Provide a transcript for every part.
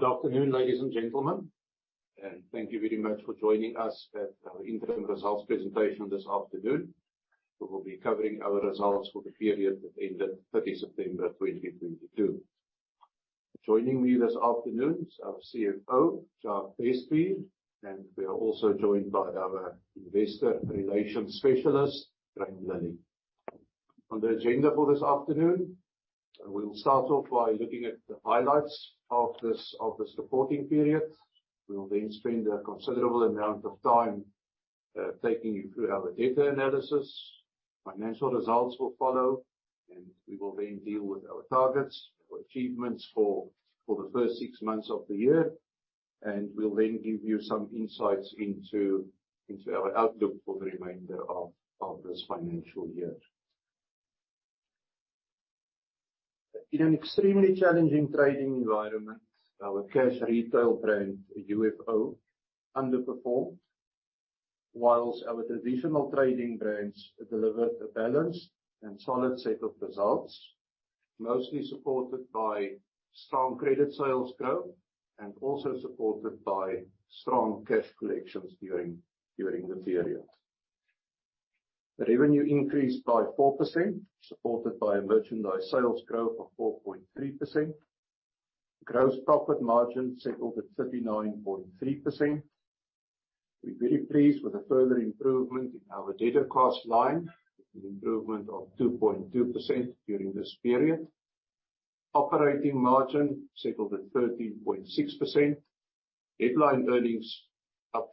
Good afternoon, ladies and gentlemen, thank you very much for joining us at our interim results presentation this afternoon. We will be covering our results for the period that ended 30 September 2022. Joining me this afternoon is our CFO, Jacques Bestbier, we are also joined by our Investor Relations specialist, Graeme Lillie. On the agenda for this afternoon, we will start off by looking at the highlights of this reporting period. We will then spend a considerable amount of time taking you through our debt analysis. Financial results will follow, we will then deal with our targets, our achievements for the first six months of the year. We'll then give you some insights into our outlook for the remainder of this financial year. In an extremely challenging trading environment, our cash retail brand, UFO, underperformed, whilst our traditional trading brands delivered a balanced and solid set of results, mostly supported by strong credit sales growth and also supported by strong cash collections during the period. Revenue increased by 4%, supported by merchandise sales growth of 4.3%. Gross profit margin settled at 39.3%. We're very pleased with the further improvement in our debtor cost line, an improvement of 2.2% during this period. Operating margin settled at 13.6%. Headline earnings up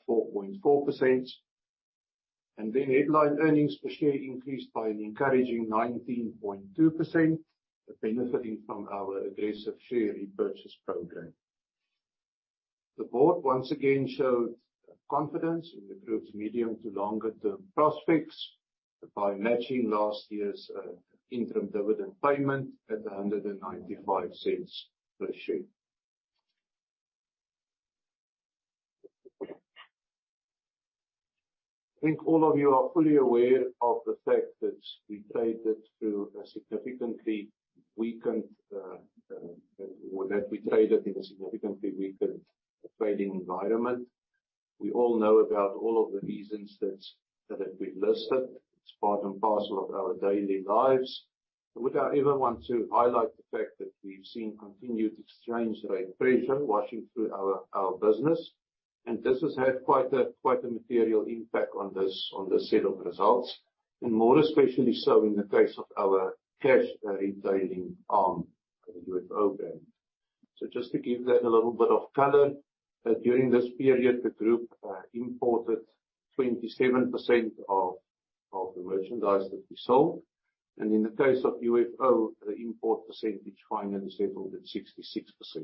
4.4%. Headline earnings per share increased by an encouraging 19.2%, benefiting from our aggressive share repurchase program. The board once again showed confidence in the group's medium to longer term prospects by matching last year's interim dividend payment at 1.95 per share. I think all of you are fully aware of the fact that we traded through a significantly weakened trading environment. We all know about all of the reasons that have been listed. It's part and parcel of our daily lives. Would I ever want to highlight the fact that we've seen continued exchange rate pressure washing through our business, and this has had quite a material impact on this set of results. More especially so in the case of our cash retailing arm, the UFO brand. Just to give that a little bit of color, during this period, the Group imported 27% of the merchandise that we sold. In the case of UFO, the import percentage finally settled at 66%.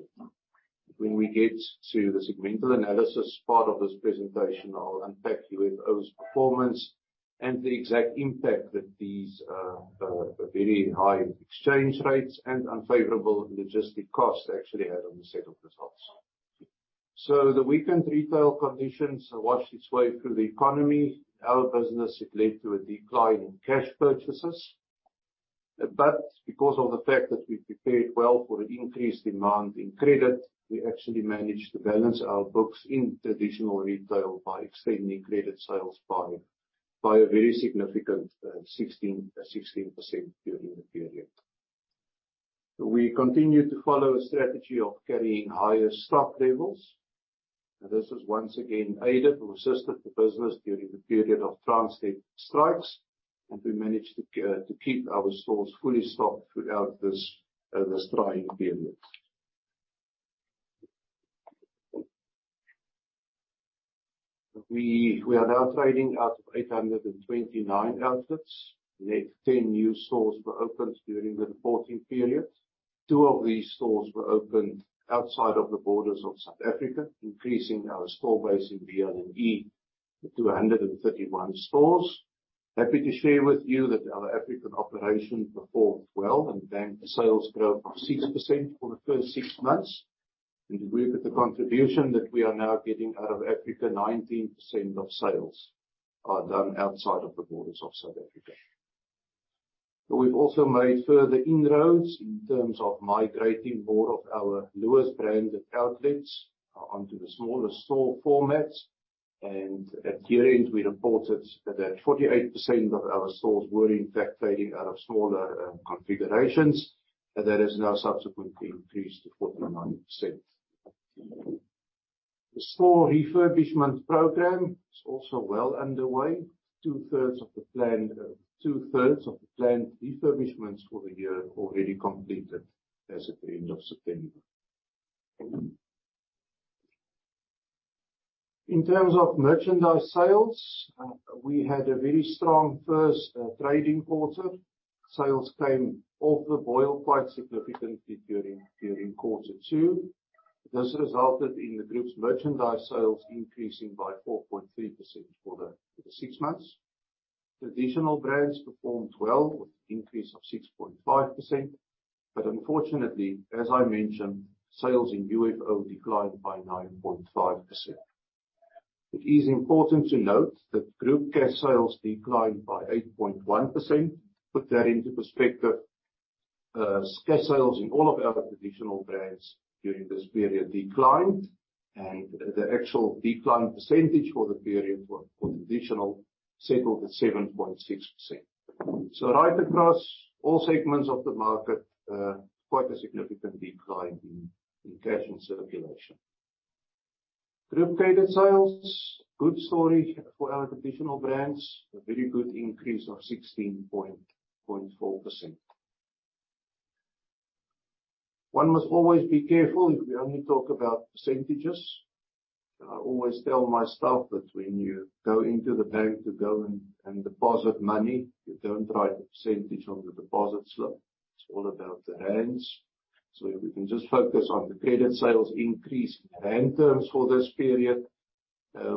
When we get to the segmental analysis part of this presentation, I'll unpack UFO's performance and the exact impact that these very high exchange rates and unfavorable logistics costs actually had on the set of results. The weakened retail conditions have washed its way through the economy. Our business has led to a decline in cash purchases. Because of the fact that we prepared well for an increased demand in credit, we actually managed to balance our books in traditional retail by extending credit sales by a very significant 16% during the period. We continue to follow a strategy of carrying higher stock levels. This has once again aided and assisted the business during the period of transit strikes. We managed to keep our stores fully stocked throughout this trying period. We are now trading out of 829 outlets. Net 10 new stores were opened during the reporting period. Two of these stores were opened outside of the borders of South Africa, increasing our store base in BLE to 131 stores. Happy to share with you that our African operations performed well, banked sales growth of 6% for the first six months. We're with the contribution that we are now getting out of Africa, 19% of sales are done outside of the borders of South Africa. We've also made further inroads in terms of migrating more of our Lewis branded outlets onto the smaller store formats. At year-end, we reported that 48% of our stores were in fact trading out of smaller configurations. That has now subsequently increased to 49%. The store refurbishment program is also well underway. Two-thirds of the planned refurbishments for the year already completed as at the end of September. In terms of merchandise sales, we had a very strong first trading quarter. Sales came off the boil quite significantly during quarter two. This resulted in the Lewis Group's merchandise sales increasing by 4.3% for the six months. Traditional brands performed well with an increase of 6.5%. Unfortunately, as I mentioned, sales in UFO declined by 9.5%. It is important to note that group cash sales declined by 8.1%. To put that into perspective, cash sales in all of our traditional brands during this period declined, and the actual decline percentage for the period for traditional settled at 7.6%. Right across all segments of the market, quite a significant decline in cash in circulation. Group credit sales, good story for our traditional brands. A very good increase of 16.4%. One must always be careful if we only talk about percentages. I always tell my staff that when you go into the bank to go and deposit money, you don't write the percentage on the deposit slip. It's all about the rands. If we can just focus on the credit sales increase in rand terms for this period,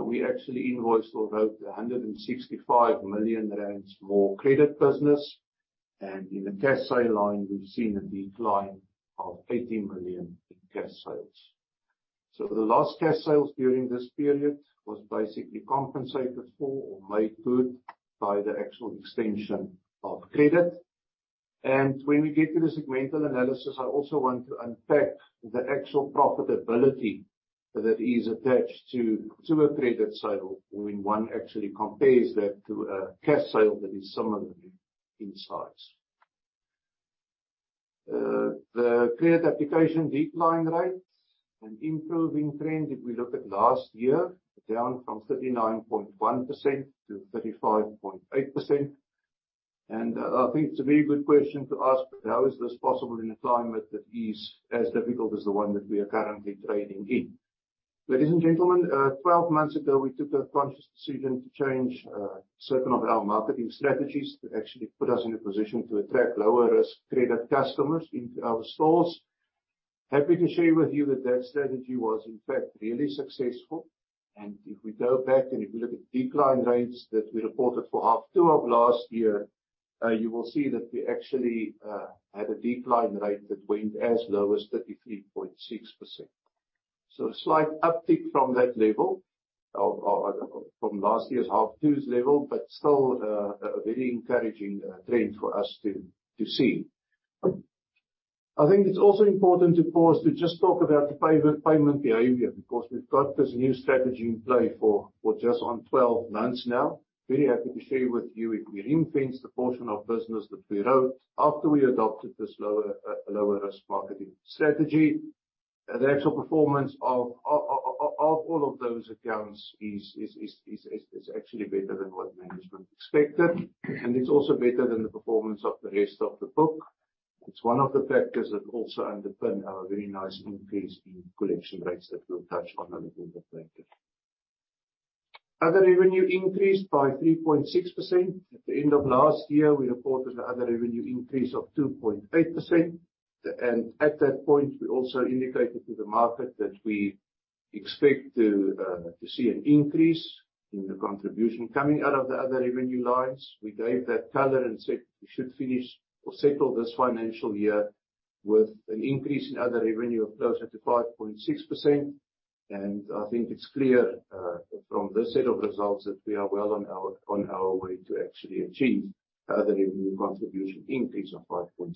we actually invoiced about 165 million rand more credit business. In the cash sale line we've seen a decline of 80 million in cash sales. The lost cash sales during this period was basically compensated for or made good by the actual extension of credit. When we get to the segmental analysis, I also want to unpack the actual profitability that is attached to a credit sale when one actually compares that to a cash sale that is similar in size. The credit application decline rate, an improving trend if we look at last year, down from 39.1% to 35.8%. I think it's a very good question to ask, how is this possible in a climate that is as difficult as the one that we are currently trading in? Ladies and gentlemen, 12 months ago, we took a conscious decision to change certain of our marketing strategies that actually put us in a position to attract lower risk credit customers into our stores. Happy to share with you that that strategy was, in fact, really successful. If we go back and if we look at decline rates that we reported for half two of last year, you will see that we actually had a decline rate that went as low as 33.6%. A slight uptick from that level of, from last year's half two's level, but still a very encouraging trend for us to see. I think it's also important to pause to just talk about the payment behavior, because we've got this new strategy in play for just on 12 months now. Very happy to share with you if we ring-fence the portion of business that we wrote after we adopted this lower risk marketing strategy, the actual performance of all of those accounts is actually better than what management expected, and it's also better than the performance of the rest of the book. It's one of the factors that also underpin our very nice increase in collection rates that we'll touch on a little bit later. Other revenue increased by 3.6%. At the end of last year, we reported other revenue increase of 2.8%. At that point, we also indicated to the market that we expect to see an increase in the contribution coming out of the other revenue lines. We gave that color and said we should finish or settle this financial year with an increase in other revenue of closer to 5.6%. I think it's clear from this set of results that we are well on our way to actually achieve other revenue contribution increase of 5.6%.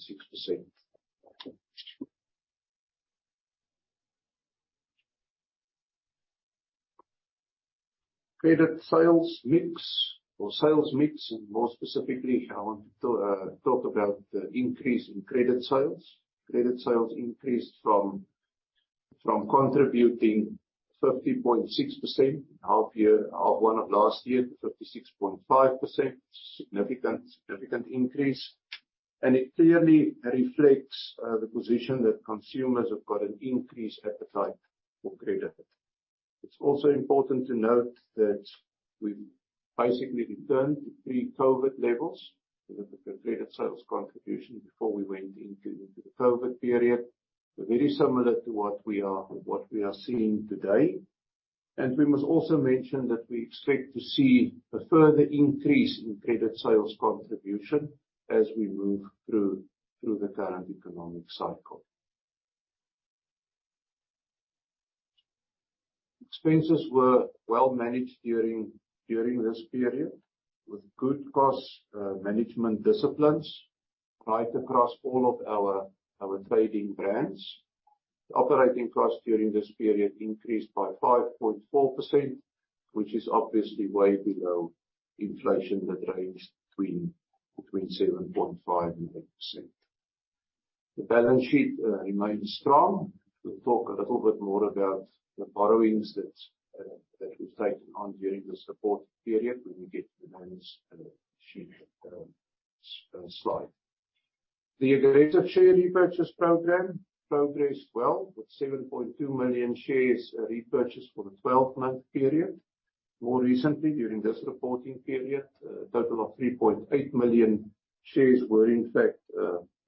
Credit sales mix or sales mix, and more specifically, I want to talk about the increase in credit sales. Credit sales increased from contributing 50.6% half year, one of last year to 56.5%. Significant increase. It clearly reflects the position that consumers have got an increased appetite for credit. It's also important to note that we've basically returned to pre-COVID levels with the credit sales contribution before we went into the COVID period. Very similar to what we are seeing today. We must also mention that we expect to see a further increase in credit sales contribution as we move through the current economic cycle. Expenses were well managed during this period, with good cost management disciplines right across all of our trading brands. Operating costs during this period increased by 5.4%, which is obviously way below inflation that ranges between 7.5% and 8%. The balance sheet remains strong. We'll talk a little bit more about the borrowings that we've taken on during this report period when we get to the balance sheet slide. The aggressive share repurchase program progressed well, with 7.2 million shares repurchased for the 12-month period. More recently, during this reporting period, a total of 3.8 million shares were in fact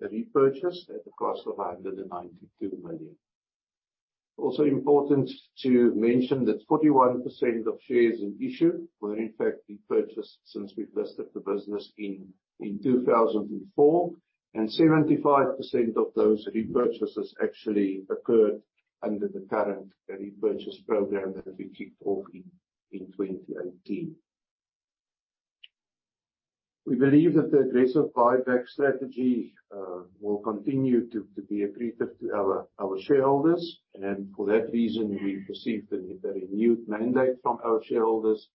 repurchased at the cost of 192 million. Also important to mention that 41% of shares in issue were in fact repurchased since we've listed the business in 2004, and 75% of those repurchases actually occurred under the current repurchase program that we kicked off in 2018. We believe that the aggressive buyback strategy will continue to be accretive to our shareholders. For that reason, we received a renewed mandate from our shareholders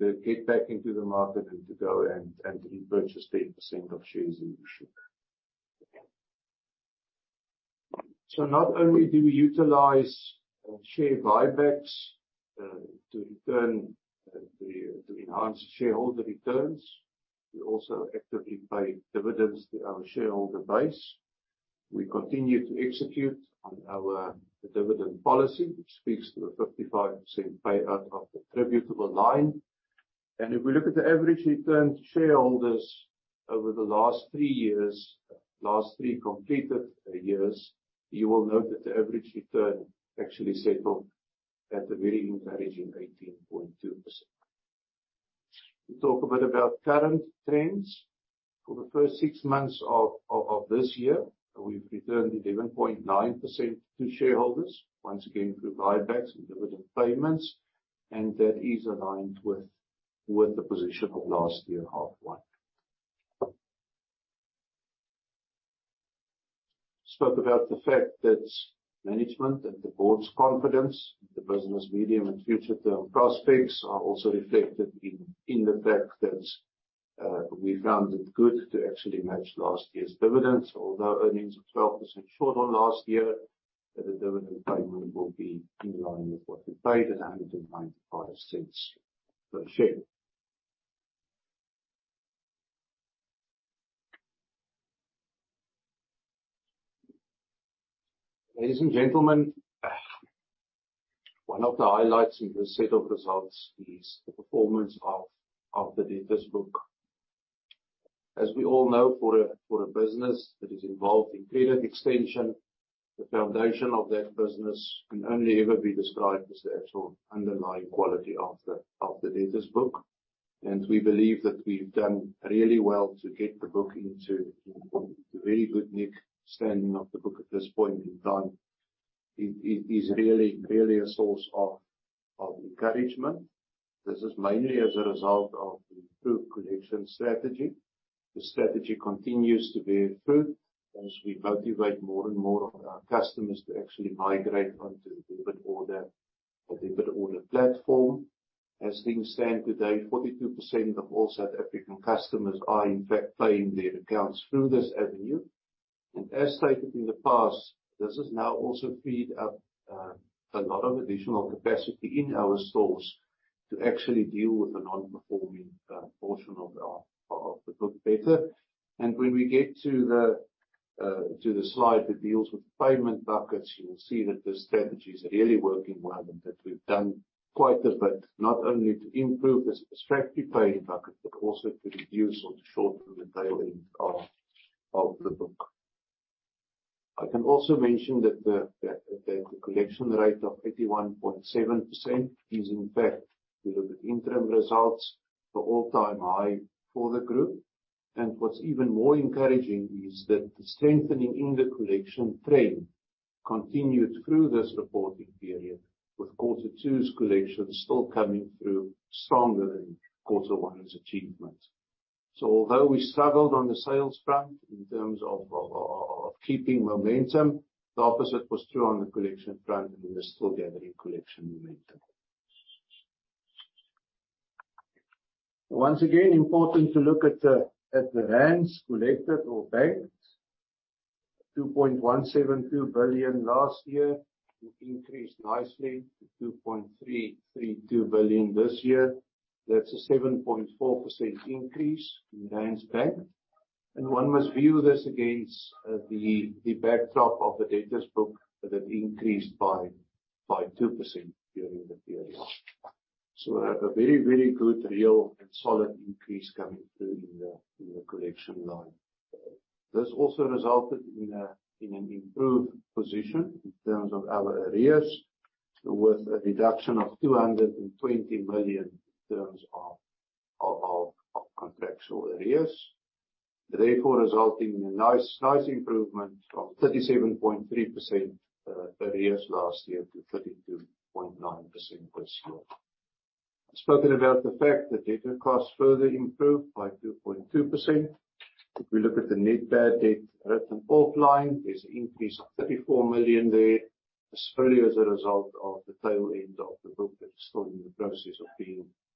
to get back into the market and to go and repurchase 8% of shares in issue. Not only do we utilize share buybacks to return to enhance shareholder returns, we also actively pay dividends to our shareholder base. We continue to execute on our dividend policy, which speaks to a 55% payout of the attributable line. If we look at the average return to shareholders over the last 3 years, last 3 completed years, you will note that the average return actually settled at a very encouraging 18.2%. To talk a bit about current trends. For the first six months of this year, we've returned 11.9% to shareholders, once again through buybacks and dividend payments. That is aligned with the position of last year halfway. Spoke about the fact that management and the board's confidence, the business medium and future term prospects are also reflected in the fact that we found it good to actually match last year's dividends. Although earnings are 12% short on last year, the dividend payment will be in line with what we paid at ZAR 1.95 per share. Ladies and gentlemen, one of the highlights in this set of results is the performance of the debtors book. As we all know, for a business that is involved in credit extension, the foundation of that business can only ever be described as the actual underlying quality of the debtors book. We believe that we've done really well to get the book into very good nick. Standing of the book at this point in time, it is really a source of encouragement. This is mainly as a result of the improved collection strategy. The strategy continues to bear fruit as we motivate more and more of our customers to actually migrate onto debit order, a debit order platform. As things stand today, 42% of all South African customers are in fact paying their accounts through this avenue. As stated in the past, this has now also freed up a lot of additional capacity in our stores to actually deal with the non-performing portion of the book better. When we get to the slide that deals with payment buckets, you will see that this strategy is really working well and that we've done quite a bit, not only to improve the satisfactory paying bucket, but also to reduce or to shorten the tail end of the book. I can also mention that the collection rate of 81.7% is in fact, with the interim results, the all-time high for the group. What's even more encouraging is that the strengthening in the collection trend continued through this reporting period, with quarter two's collection still coming through stronger than quarter one's achievement. Although we struggled on the sales front in terms of keeping momentum, the opposite was true on the collection front, and we are still gathering collection momentum. Once again, important to look at the rand collected or banked. 2.172 billion last year increased nicely to 2.332 billion this year. That's a 7.4% increase in ZAR banked. One must view this against the backdrop of the debtors book that increased by 2% during the period. A very, very good, real and solid increase coming through in the collection line. This also resulted in an improved position in terms of our arrears, with a reduction of 220 million in terms of contractual arrears, therefore resulting in a nice improvement of 37.3% arrears last year to 32.9% this year. Spoken about the fact that debtor costs further improved by 2.2%. If we look at the net bad debt written off line, there's an increase of 34 million there. This purely as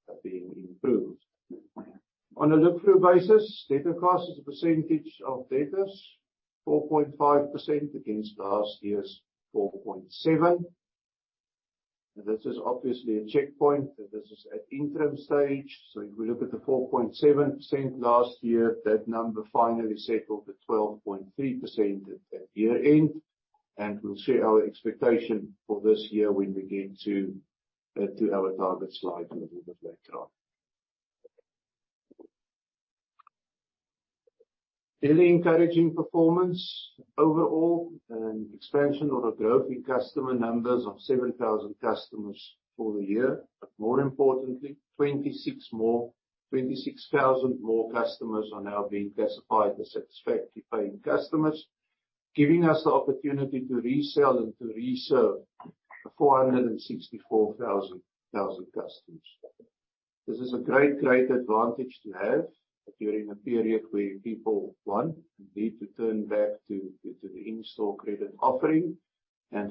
a result of the tail end of the book that is still in the process of being improved. On a look-through basis, debtor costs as a percentage of debtors, 4.5% against last year's 4.7%. This is obviously a checkpoint, that this is at interim stage. If we look at the 4.7% last year, that number finally settled at 12.3% at year-end. We'll share our expectation for this year when we get to our target slide a little bit later on. Really encouraging performance overall, expansion or a growth in customer numbers of 7,000 customers for the year. More importantly, 26,000 more customers are now being classified as satisfactory paying customers, giving us the opportunity to resell and to reserve 464,000 customers. This is a great advantage to have during a period where people want and need to turn back to the in-store credit offering.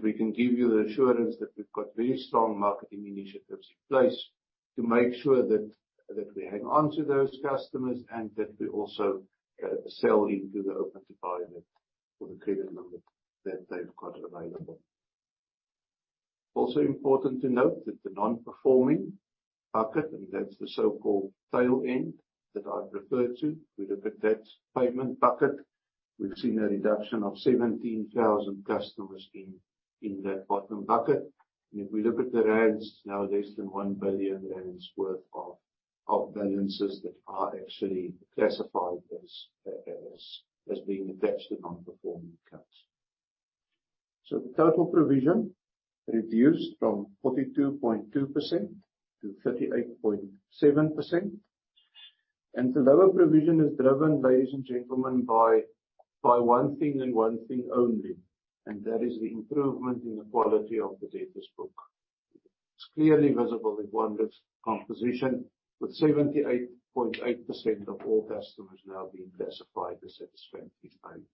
We can give you the assurance that we've got very strong marketing initiatives in place to make sure that we hang on to those customers and that we also sell into the open environment for the credit limit that they've got available. Important to note that the non-performing bucket, and that's the so-called tail end that I've referred to. If we look at that payment bucket, we've seen a reduction of 17,000 customers in that bottom bucket. If we look at the rands, now less than 1 billion rand worth of balances that are actually classified as being attached to non-performing accounts. Total provision reduced from 42.2% to 38.7%. The lower provision is driven, ladies and gentlemen, by one thing and one thing only, and that is the improvement in the quality of the debtors book. It's clearly visible in one risk composition, with 78.8% of all customers now being classified as satisfactory paying.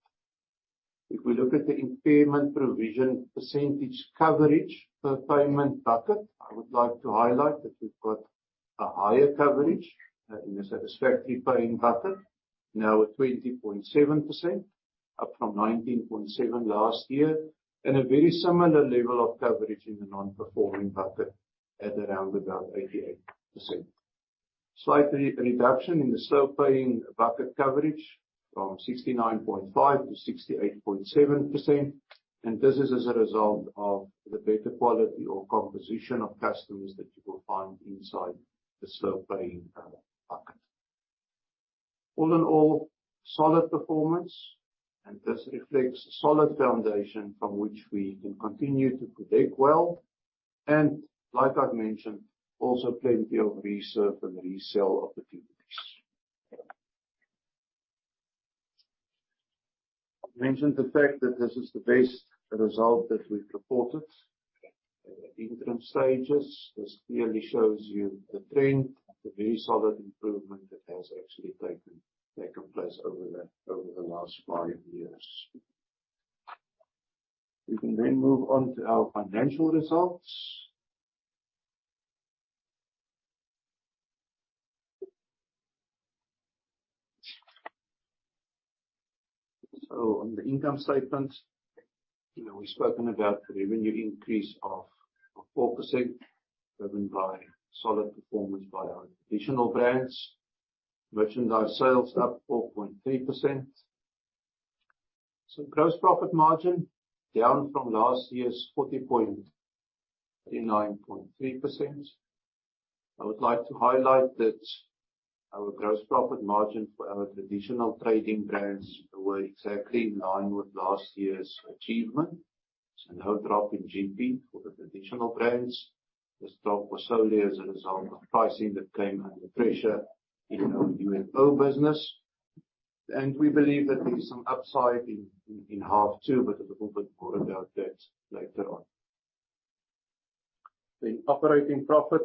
If we look at the impairment provision percentage coverage per payment bucket, I would like to highlight that we've got a higher coverage in the satisfactory paying bucket, now at 20.7%, up from 19.7 last year. A very similar level of coverage in the non-performing bucket at around about 88%. Slightly reduction in the slow paying bucket coverage from 69.5 to 68.7%, and this is as a result of the better quality or composition of customers that you will find inside the slow paying bucket. All in all, solid performance, this reflects the solid foundation from which we can continue to protect well, and like I've mentioned, also plenty of reserve and resell opportunities. I mentioned the fact that this is the best result that we've reported at interim stages. This clearly shows you the trend, the very solid improvement that has actually taken place over the last five years. We can move on to our financial results. On the income statement, you know, we've spoken about the revenue increase of 4% driven by solid performance by our traditional brands. Merchandise sales up 4.3%. Gross profit margin down from last year's 39.3%. I would like to highlight that our gross profit margin for our traditional trading brands were exactly in line with last year's achievement. No drop in GP for the traditional brands. This drop was solely as a result of pricing that came under pressure in our UFO business. We believe that there's some upside in half two, but we'll talk a bit more about that later on. The operating profit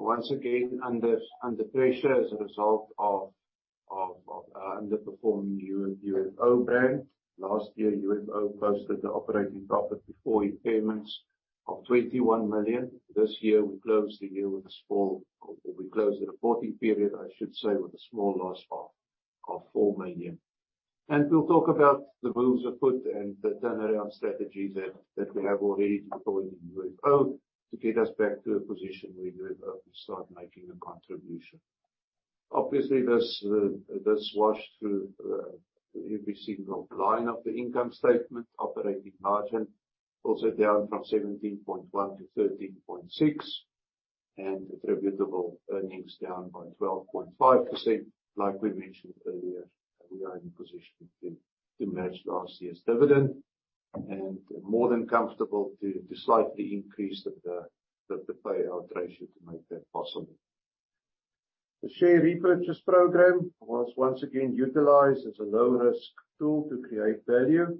once again under pressure as a result of underperforming UFO brand. Last year, UFO posted the operating profit before impairments of 21 million. This year, we closed the reporting period, I should say, with a small loss of 4 million. We'll talk about the moves afoot and the turnaround strategies that we have already deployed in UFO to get us back to a position where UFO can start making a contribution. Obviously, this washed through every single line of the income statement. Operating margin also down from 17.1% to 13.6%. Attributable earnings down by 12.5%. Like we mentioned earlier, we are in a position to match last year's dividend and more than comfortable to slightly increase the payout ratio to make that possible. The share repurchase program was once again utilized as a low risk tool to create value.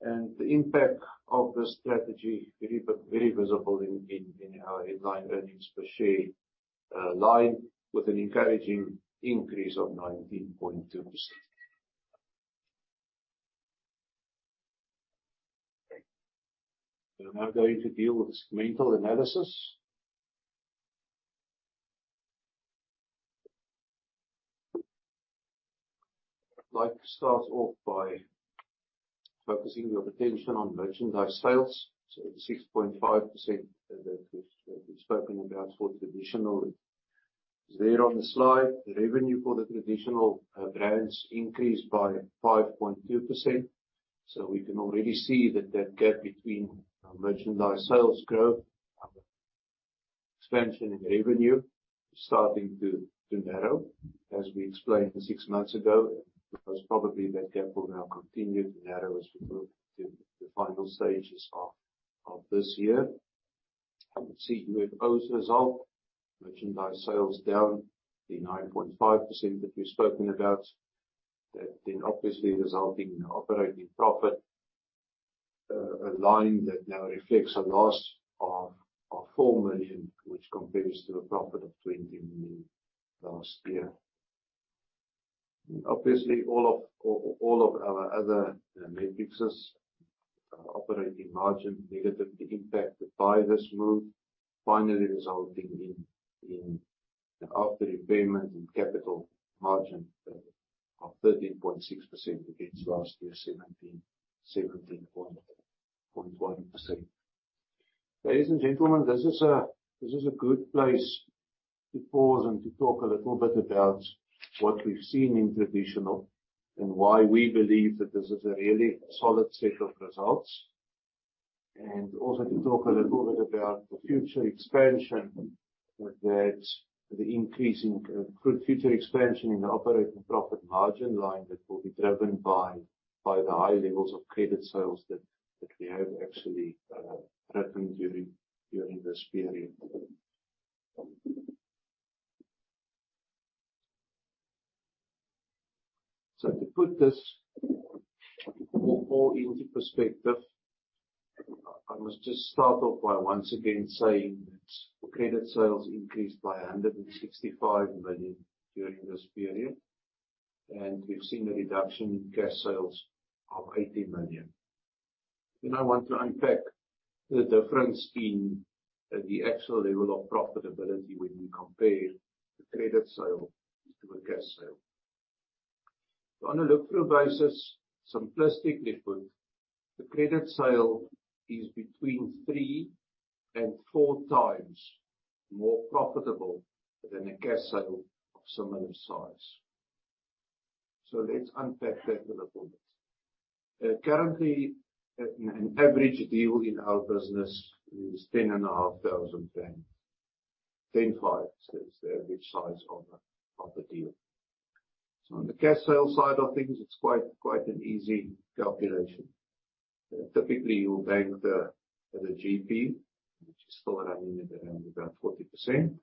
The impact of this strategy very visible in our headline earnings per share line, with an encouraging increase of 19.2%. We are now going to deal with the segmental analysis. I'd like to start off by focusing your attention on merchandise sales. At the 6.5% that we've spoken about for traditional is there on the slide. Revenue for the traditional brands increased by 5.2%. We can already see that that gap between our merchandise sales growth, expansion in revenue is starting to narrow. As we explained 6 months ago, because probably that gap will now continue to narrow as we move to the final stages of this year. See UFO's result. Merchandise sales down the 9.5% that we've spoken about. Obviously resulting in operating profit, a line that now reflects a loss of 4 million, which compares to a profit of 20 million last year. Obviously, all of our other metrics is operating margin negatively impacted by this move, finally resulting in the after repayment and capital margin of 13.6% against last year's 17.1%. Ladies and gentlemen, this is a good place to pause and to talk a little bit about what we've seen in traditional and why we believe that this is a really solid set of results. Also to talk a little bit about the future expansion that the increase in future expansion in the operating profit margin line that will be driven by the high levels of credit sales that we have actually driven during this period. To put this all into perspective, I must just start off by once again saying that credit sales increased by 165 million during this period. We've seen a reduction in cash sales of 80 million. I want to unpack the difference in the actual level of profitability when we compare the credit sale to a cash sale. On a look-through basis, simplistically put, the credit sale is between three and four times more profitable than a cash sale of similar size. Let's unpack that a little bit. Currently, an average deal in our business is 10,500. 10,500 is the average size of a deal. On the cash sale side of things, it's quite an easy calculation. Typically, you'll bank the GP, which is still running at around about 40%,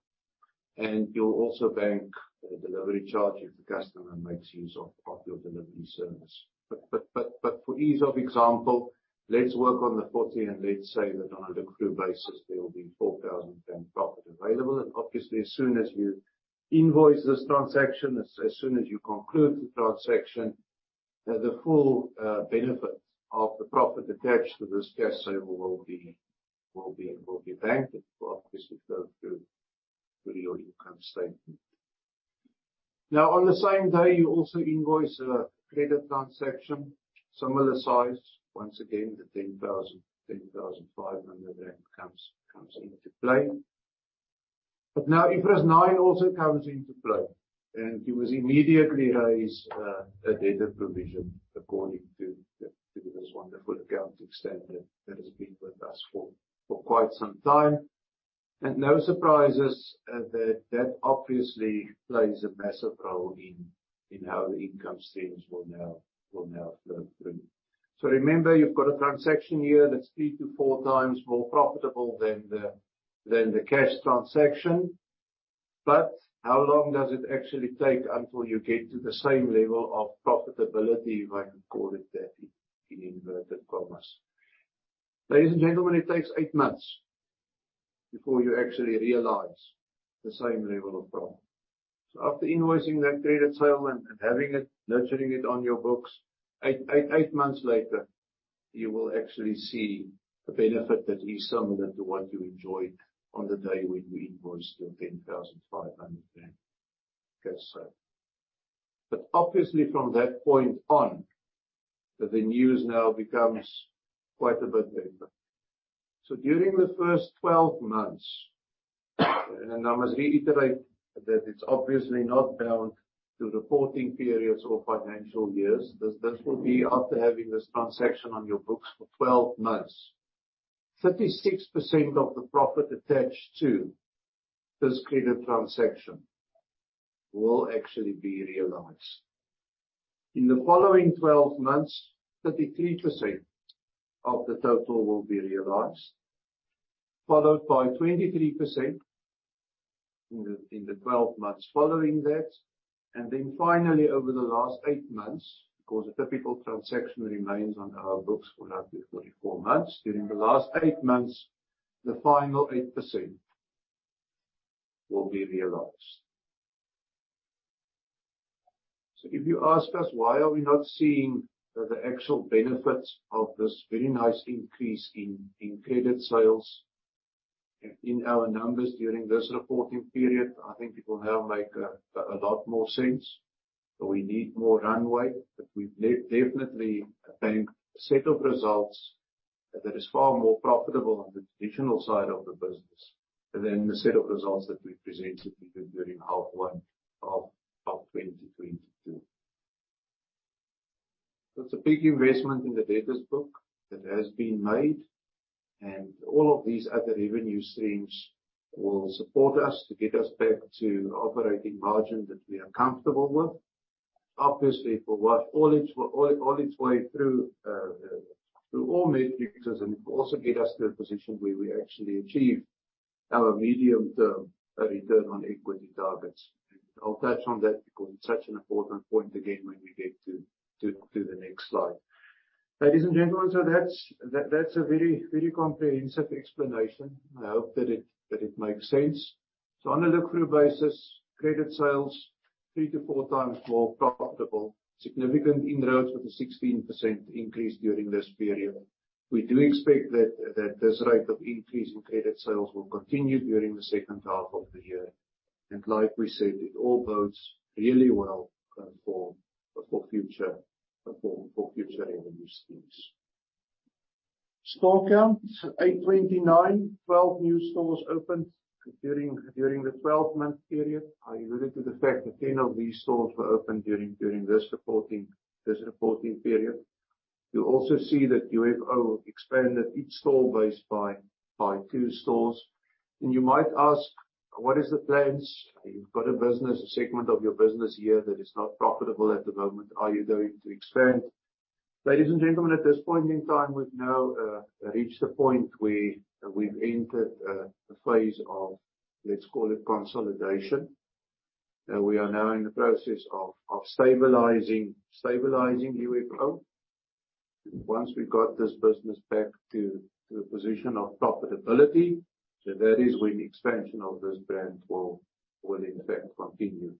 and you'll also bank the delivery charge if the customer makes use of your delivery service. For ease of example, let's work on the 40, and let's say that on a look-through basis, there will be 4,000 profit available. Obviously, as soon as you invoice this transaction, as soon as you conclude the transaction, the full benefit of the profit attached to this cash sale will be banked. It will obviously flow through to your income statement. On the same day, you also invoice a credit transaction, similar size. Once again, the 10,500 comes into play. Now IFRS 9 also comes into play, you must immediately raise a debtor provision according to this wonderful accounting standard that has been with us for quite some time. No surprises that that obviously plays a massive role in how the income streams will now flow through. Remember, you've got a transaction here that's three to four times more profitable than the cash transaction. How long does it actually take until you get to the same level of profitability, if I can call it that, in inverted commas? Ladies and gentlemen, it takes eight months before you actually realize the same level of profit. After invoicing that credit sale and having it, nurturing it on your books, eight months later, you will actually see a benefit that is similar to what you enjoyed on the day when you invoiced your ZAR 10,500 cash sale. Obviously, from that point on, the news now becomes quite a bit better. During the first 12 months, and I must reiterate that it's obviously not bound to reporting periods or financial years, this will be after having this transaction on your books for 12 months. 36% of the profit attached to this credit transaction will actually be realized. In the following 12 months, 33% of the total will be realized, followed by 23% in the 12 months following that. Finally, over the last eight months, because a typical transaction remains on our books for up to 44 months. During the last eight months, the final 8% will be realized. If you ask us why are we not seeing the actual benefits of this very nice increase in credit sales in our numbers during this reporting period, I think it will now make a lot more sense. We need more runway, but we've definitely obtained a set of results that is far more profitable on the traditional side of the business than the set of results that we presented even during half one of 2022. That's a big investment in the debtors book that has been made, and all of these other revenue streams will support us to get us back to operating margin that we are comfortable with. For what all its way through through all metrics. It will also get us to a position where we actually achieve our medium-term return on equity targets. I'll touch on that because it's such an important point again when we get to the next slide. Ladies and gentlemen, that's a very, very comprehensive explanation. I hope that it makes sense. On a look-through basis, credit sales 3-4 times more profitable. Significant inroads with a 16% increase during this period. We do expect that this rate of increase in credit sales will continue during the second half of the year. Like we said, it all bodes really well for future revenue streams. Store counts, 829. 12 new stores opened during the 12-month period. I alluded to the fact that 10 of these stores were opened during this reporting period. You'll also see that UFO expanded its store base by two stores. You might ask, "What is the plans? You've got a business, a segment of your business here that is not profitable at the moment. Are you going to expand?" Ladies and gentlemen, at this point in time, we've now reached the point where we've entered a phase of, let's call it consolidation. We are now in the process of stabilizing UFO. Once we've got this business back to a position of profitability, that is when expansion of this brand will in fact continue.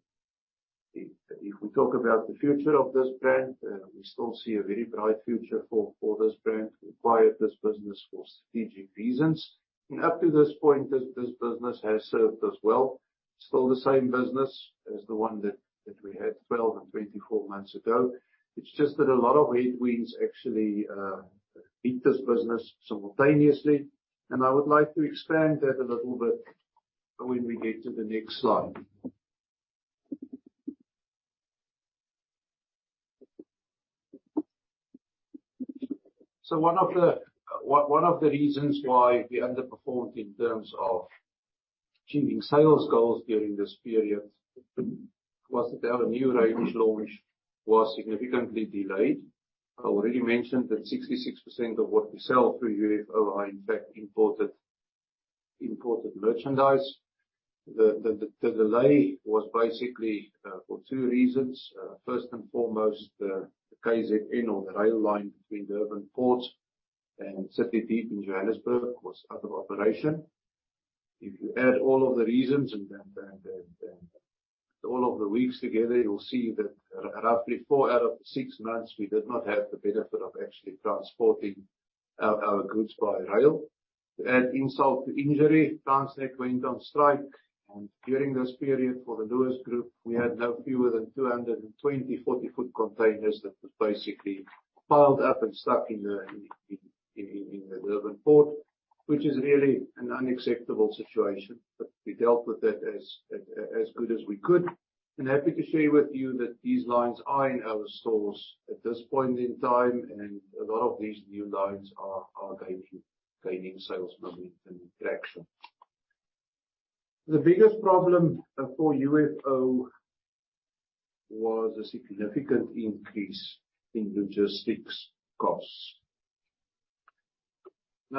If we talk about the future of this brand, we still see a very bright future for this brand. We acquired this business for strategic reasons. Up to this point, this business has served us well. Still the same business as the one that we had 12 and 24 months ago. It's just that a lot of headwinds actually hit this business simultaneously. I would like to expand that a little bit when we get to the next slide. One of the reasons why we underperformed in terms of achieving sales goals during this period was that our new range launch was significantly delayed. I already mentioned that 66% of what we sell through UFO are in fact imported merchandise. The delay was basically for two reasons. First and foremost, the KZN or the rail line between the Port of Durban and City Deep in Johannesburg was out of operation. If you add all of the reasons and all of the weeks together, you'll see that roughly four out of six months, we did not have the benefit of actually transporting our goods by rail. To add insult to injury, Transnet went on strike. During this period for the Lewis Group, we had no fewer than 220 40-ft containers that were basically piled up and stuck in the Port of Durban, which is really an unacceptable situation. We dealt with it as good as we could. Happy to share with you that these lines are in our stores at this point in time, and a lot of these new lines are gaining sales momentum and traction. The biggest problem for UFO was a significant increase in logistics costs.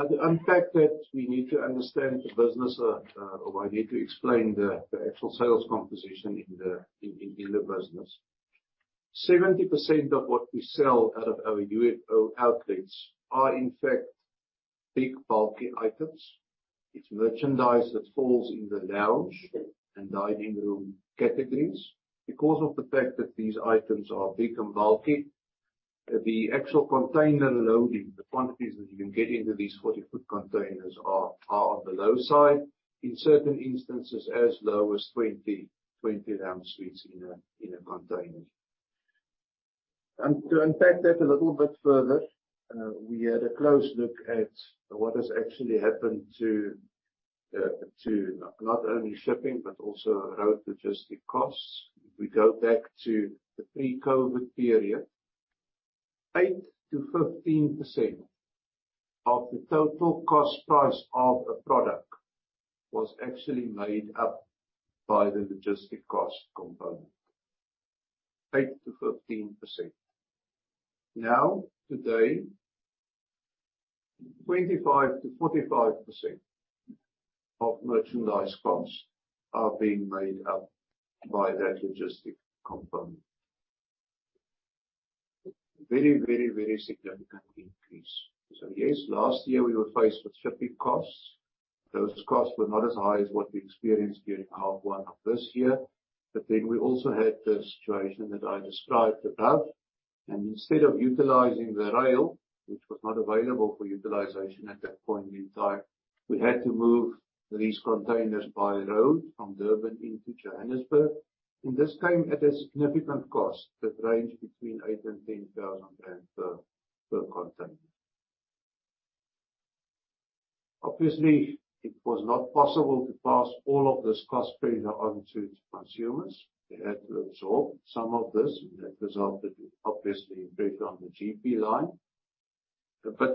The unpack that we need to understand the business or I need to explain the actual sales composition in the business. 70% of what we sell out of our UFO are, in fact, big, bulky items. It's merchandise that falls in the lounge and dining room categories. Because of the fact that these items are big and bulky, the actual container loading, the quantities that you can get into these 40-ft containers are on the low side. In certain instances, as low as 20 lounge suites in a container. To unpack that a little bit further, we had a close look at what has actually happened to not only shipping but also road logistic costs. If we go back to the pre-COVID period, 8%-15% of the total cost price of a product was actually made up by the logistic cost component. 8%-15%. Today, 25%-45% of merchandise costs are being made up by that logistic component. Very significant increase. Yes, last year we were faced with shipping costs. Those costs were not as high as what we experienced during half one of this year. We also had the situation that I described above. Instead of utilizing the rail, which was not available for utilization at that point in time, we had to move these containers by road from Durban into Johannesburg. This came at a significant cost that ranged between ZAR 8,000-ZAR 10,000 per container. Obviously, it was not possible to pass all of this cost pressure on to consumers. We had to absorb some of this, and that resulted in obviously pressure on the GP line.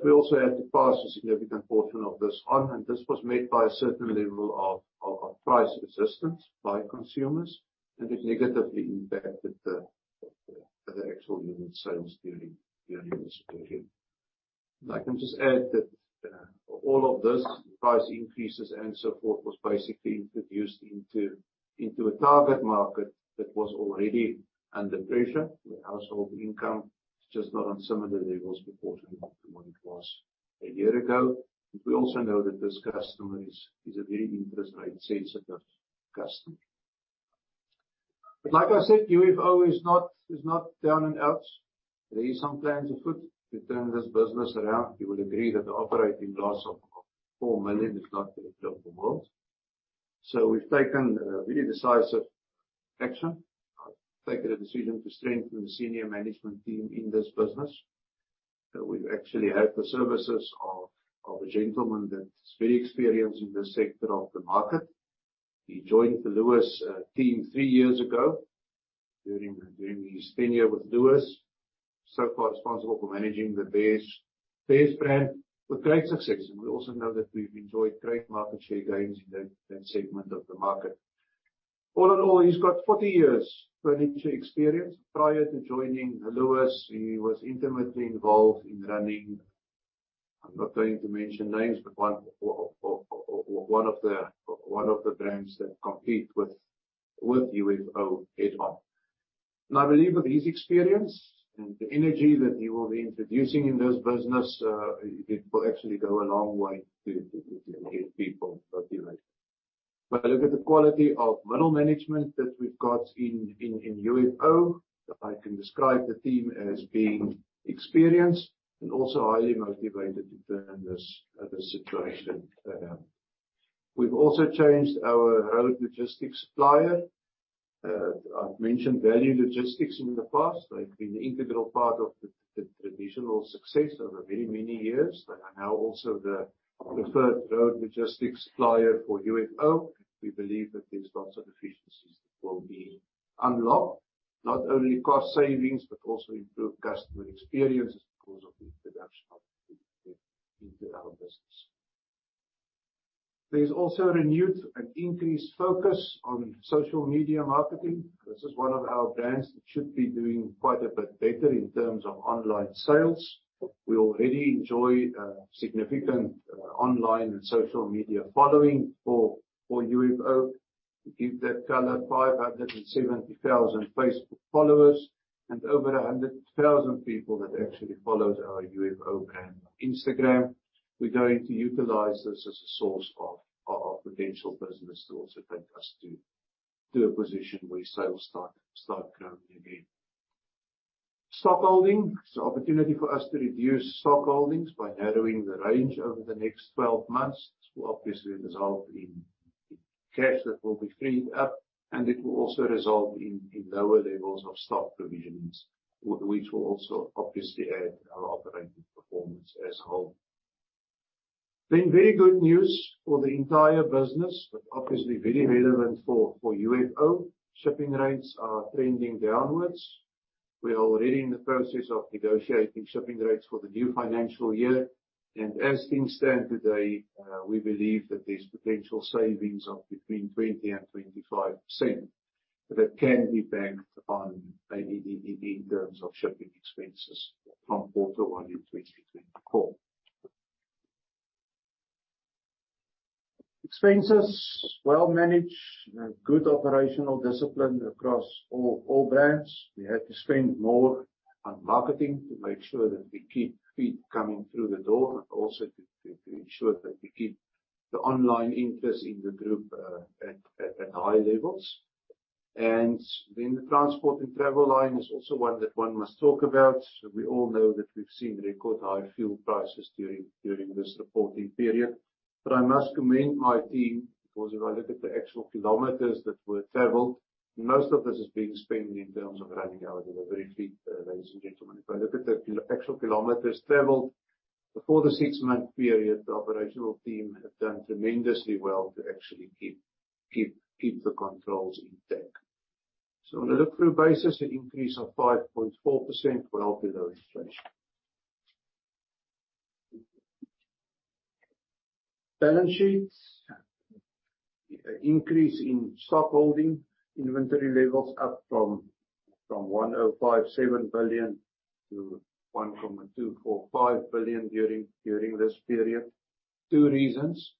We also had to pass a significant portion of this on, and this was met by a certain level of price resistance by consumers, and it negatively impacted the actual unit sales during this period. I can just add that all of those price increases and so forth was basically introduced into a target market that was already under pressure, where household income is just not on similar levels proportionally to what it was a year ago. We also know that this customer is a very interest rate-sensitive customer. Like I said, UFO is not down and out. There is some plans afoot to turn this business around. You will agree that the operating loss of 4 million is not the end of the world. We've taken really decisive action. I've taken a decision to strengthen the senior management team in this business. We actually have the services of a gentleman that's very experienced in this sector of the market. He joined the Lewis team three years ago. During his tenure with Lewis, so far responsible for managing the Beares brand with great success. We also know that we've enjoyed great market share gains in that segment of the market. All in all, he's got 40 years furniture experience. Prior to joining Lewis, he was intimately involved in running. I'm not going to mention names, but one of the brands that compete with UFO head on. I believe with his experience and the energy that he will be introducing in this business, it will actually go a long way to get people motivated. If I look at the quality of middle management that we've got in UFO, I can describe the team as being experienced and also highly motivated to turn this situation around. We've also changed our road logistics supplier. I've mentioned Value Logistics in the past. They've been an integral part of the traditional success over very many years. They are now also the preferred road logistics supplier for UFO. We believe that there's lots of efficiencies that will be unlocked. Not only cost savings, but also improved customer experiences because of the introduction of them into our business. There's also a renewed and increased focus on social media marketing. This is one of our brands that should be doing quite a bit better in terms of online sales. We already enjoy significant online and social media following for UFO. To give that color, 570,000 Facebook followers and over 100,000 people that actually followed our UFO brand on Instagram. We're going to utilize this as a source of potential business to also take us to a position where sales start growing again. Stock holding. There's an opportunity for us to reduce stock holdings by narrowing the range over the next 12 months. This will obviously result in cash that will be freed up, and it will also result in lower levels of stock provisions, which will also obviously aid our operating performance as a whole. Very good news for UFO. Shipping rates are trending downwards. We are already in the process of negotiating shipping rates for the new financial year. As things stand today, we believe that there's potential savings of between 0.20 and 0.25 that can be banked on in terms of shipping expenses from quarter one in 2024. Expenses, well managed. We have good operational discipline across all brands. We had to spend more on marketing to make sure that we keep feet coming through the door, and also to ensure that we keep the online interest in the group at high levels. The transport and travel line is also one that one must talk about. We all know that we've seen record high fuel prices during this reporting period. I must commend my team, because if I look at the actual kilometers that were traveled, most of this is being spent in terms of running our delivery fleet, ladies and gentlemen. If I look at the actual kilometers traveled for the six-month period, the operational team have done tremendously well to actually keep the controls intact. On a like-through basis, an increase of 5.4% well below inflation. Balance sheets. Increase in stock holding. Inventory levels up from 1.057 billion to 1.245 billion during this period. two reasons.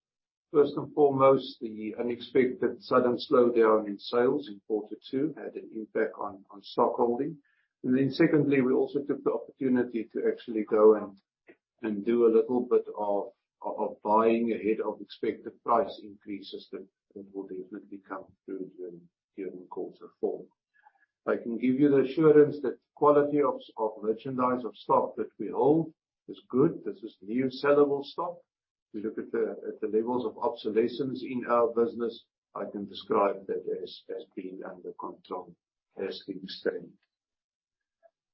First and foremost, the unexpected sudden slowdown in sales in Q2 had an impact on stock holding. Secondly, we also took the opportunity to actually go and do a little bit of buying ahead of expected price increases that will definitely come through during quarter four. I can give you the assurance that quality of merchandise of stock that we hold is good. This is new sellable stock. If you look at the levels of obsolescence in our business, I can describe that as being under control, as being stable.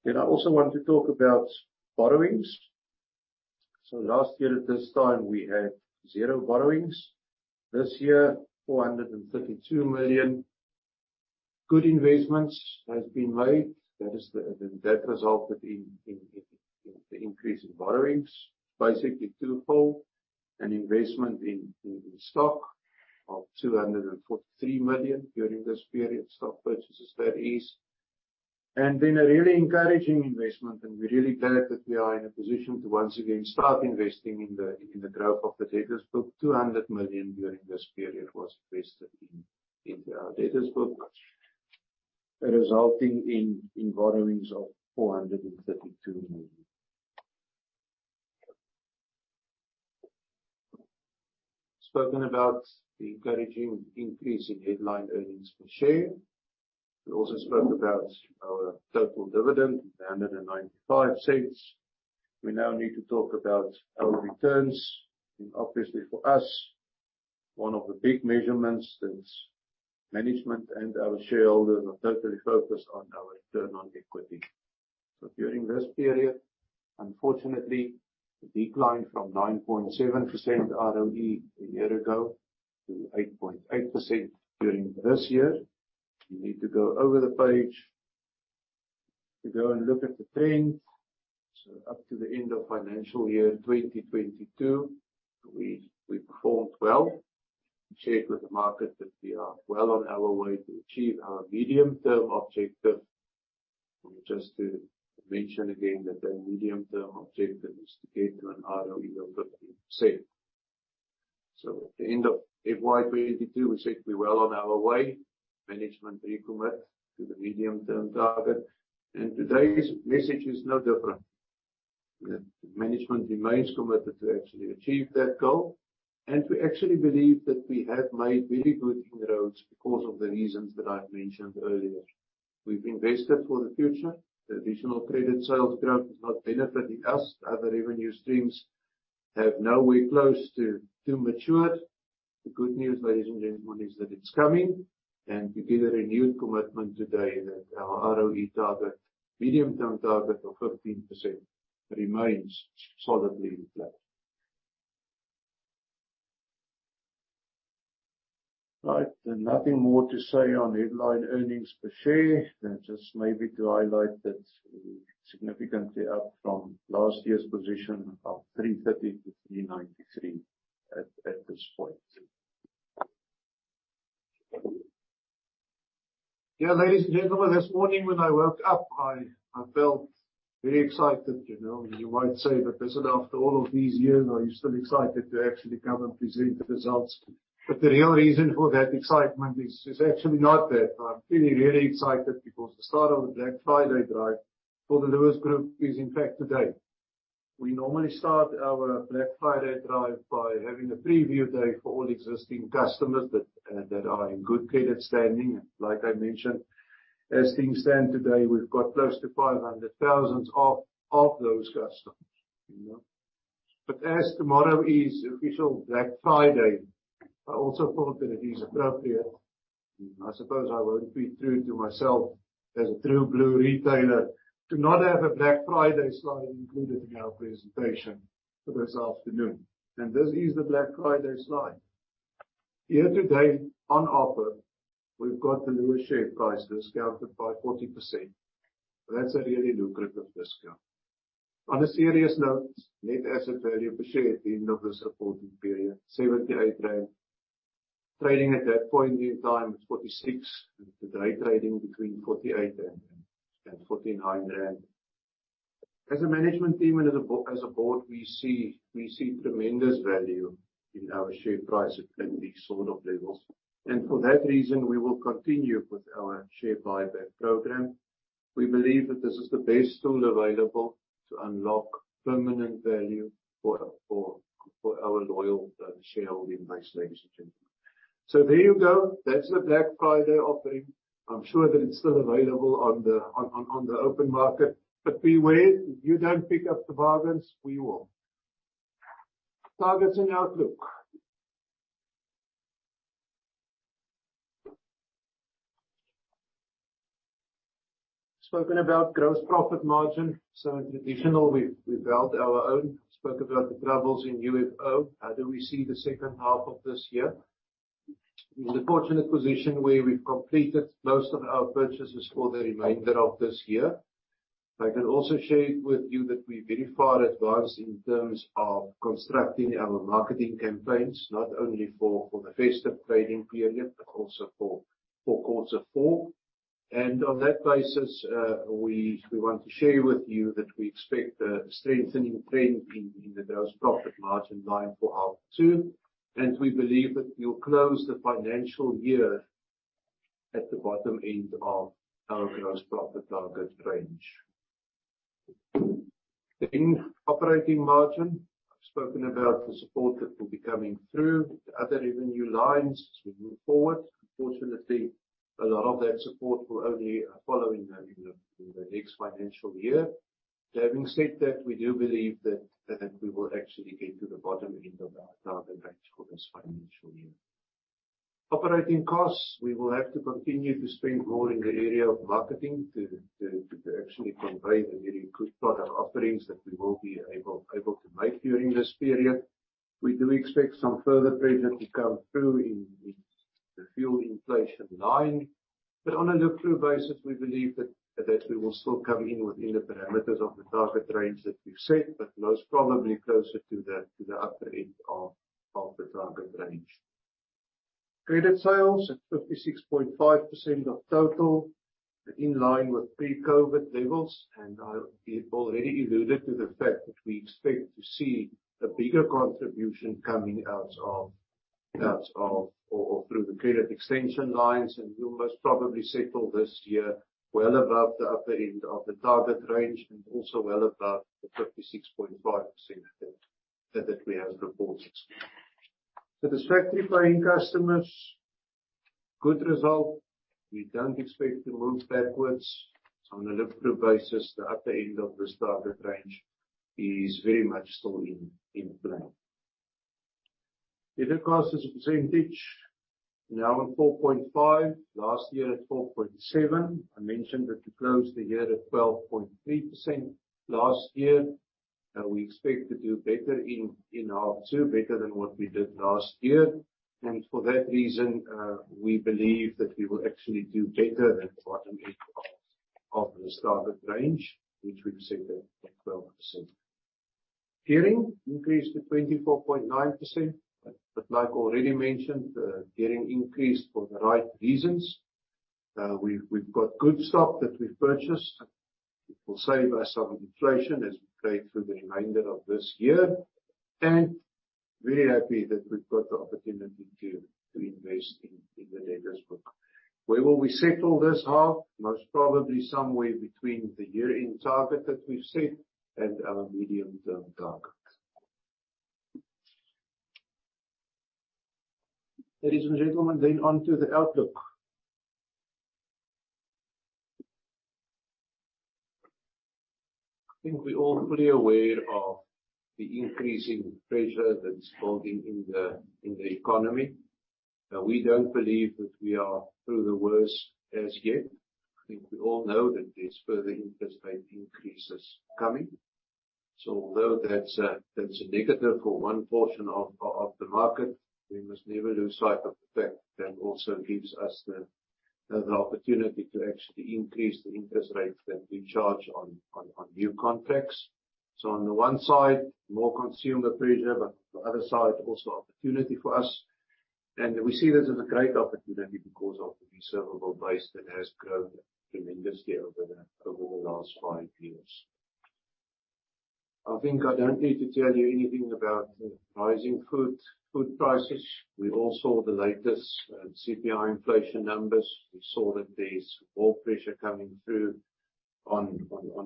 I also want to talk about borrowings. Last year at this time, we had zero borrowings. This year, 432 million. Good investments has been made. That resulted in the increase in borrowings. Basically twofold: an investment in stock of 243 million during this period, stock purchases that is. A really encouraging investment, and we're really glad that we are in a position to once again start investing in the growth of the debtors book. 200 million during this period was invested into our debtors book, resulting in borrowings of 432 million. Spoken about the encouraging increase in headline earnings per share. We also spoke about our total dividend, 1.95. We now need to talk about our returns. Obviously for us, one of the big measurements since management and our shareholders are totally focused on our return on equity. During this period, unfortunately, a decline from 9.7% ROE a year ago to 8.8% during this year. You need to go over the page to go and look at the trends. Up to the end of financial year 2022, we performed well. We shared with the market that we are well on our way to achieve our medium-term objective. Just to mention again that the medium-term objective is to get to an ROE of 15%. At the end of FY 2022, we said we're well on our way. Management recommit to the medium-term target. Today's message is no different. Management remains committed to actually achieve that goal. We actually believe that we have made very good inroads because of the reasons that I've mentioned earlier. We've invested for the future. The additional credit sales growth is not benefiting us. Other revenue streams have nowhere close to mature. The good news, ladies and gentlemen, is that it's coming. We give a renewed commitment today that our ROE target, medium-term target of 15% remains solidly in place. Right. Nothing more to say on headline earnings per share than just maybe to highlight that we're significantly up from last year's position of 3.30 to 3.93 at this point. Ladies and gentlemen, this morning when I woke up, I felt very excited. You know, you might say that, listen after all of these years, are you still excited to actually come and present the results? The real reason for that excitement is actually not that. I'm feeling really excited because the start of the Black Friday drive for the Lewis Group is in fact today. We normally start our Black Friday drive by having a preview day for all existing customers that are in good credit standing. Like I mentioned, as things stand today, we've got close to 500,000 of those customers, you know? As tomorrow is official Black Friday, I also thought that it is appropriate, and I suppose I won't be true to myself as a true blue retailer, to not have a Black Friday slide included in our presentation for this afternoon. This is the Black Friday slide. Here today on offer, we've got the Lewis share price discounted by 40%. That's a really lucrative discount. On a serious note, net asset value per share at the end of this reporting period, 78. Trading at that point in time was 46. Today trading between 48 and 49 rand. As a management team and as a board, we see tremendous value in our share price at these sort of levels. For that reason, we will continue with our share buyback program. We believe that this is the best tool available to unlock permanent value for our loyal shareholding base, ladies and gentlemen. There you go. That's the Black Friday offering. I'm sure that it's still available on the open market. Beware, if you don't pick up the bargains, we will. Targets and outlook. Spoken about gross profit margin. Traditional, we've held our own. Spoke about the troubles in UFO. How do we see the second half of this year? We're in the fortunate position where we've completed most of our purchases for the remainder of this year. I can also share with you that we're very far advanced in terms of constructing our marketing campaigns, not only for the festive trading period, but also for quarter four. On that basis, we want to share with you that we expect a strengthening trend in the gross profit margin line for half two. We believe that we'll close the financial year at the bottom end of our gross profit target range. Operating margin. I've spoken about the support that will be coming through the other revenue lines as we move forward. Unfortunately, a lot of that support will only follow in the next financial year. Having said that, we do believe that we will actually get to the bottom end of our target range for this financial year. Operating costs. We will have to continue to spend more in the area of marketing to actually convey the very good product offerings that we will be able to make during this period. We do expect some further pressure to come through in the fuel inflation line. On a look-through basis, we believe that we will still come in within the parameters of the target range that we've set, but most probably closer to the upper end of the target range. Credit sales at 56.5% of total, in line with pre-COVID levels. We've already alluded to the fact that we expect to see a bigger contribution coming out of, or through the credit extension lines. We'll most probably settle this year well above the upper end of the target range and also well above the 56.5% that we have reported. The factory paying customers, good result. We don't expect to move backwards. On a look-through basis, the upper end of this target range is very much still in play. Credit costs as a percentage now at 4.5%, last year at 4.7%. I mentioned that we closed the year at 12.3% last year. We expect to do better in half two, better than what we did last year. For that reason, we believe that we will actually do better than the bottom end of this target range, which we've set at 12%. Gearing increased to 24.9%. Like already mentioned, gearing increased for the right reasons. We've got good stock that we've purchased that will save us some inflation as we play through the remainder of this year. Very happy that we've got the opportunity to invest in the debtors book. Where will we settle this half? Most probably somewhere between the year-end target that we've set and our medium-term target. Ladies and gentlemen, on to the outlook. I think we're all fully aware of the increasing pressure that's building in the economy. Now, we don't believe that we are through the worst as yet. I think we all know that there's further interest rate increases coming. Although that's a negative for one portion of the market, we must never lose sight of the fact that also gives us the opportunity to actually increase the interest rates that we charge on new contracts. On the one side, more consumer pressure, but the other side also opportunity for us. We see this as a great opportunity because of the reservable base that has grown tremendously over the last five years. I think I don't need to tell you anything about rising food prices. We all saw the latest CPI inflation numbers. We saw that there's more pressure coming through on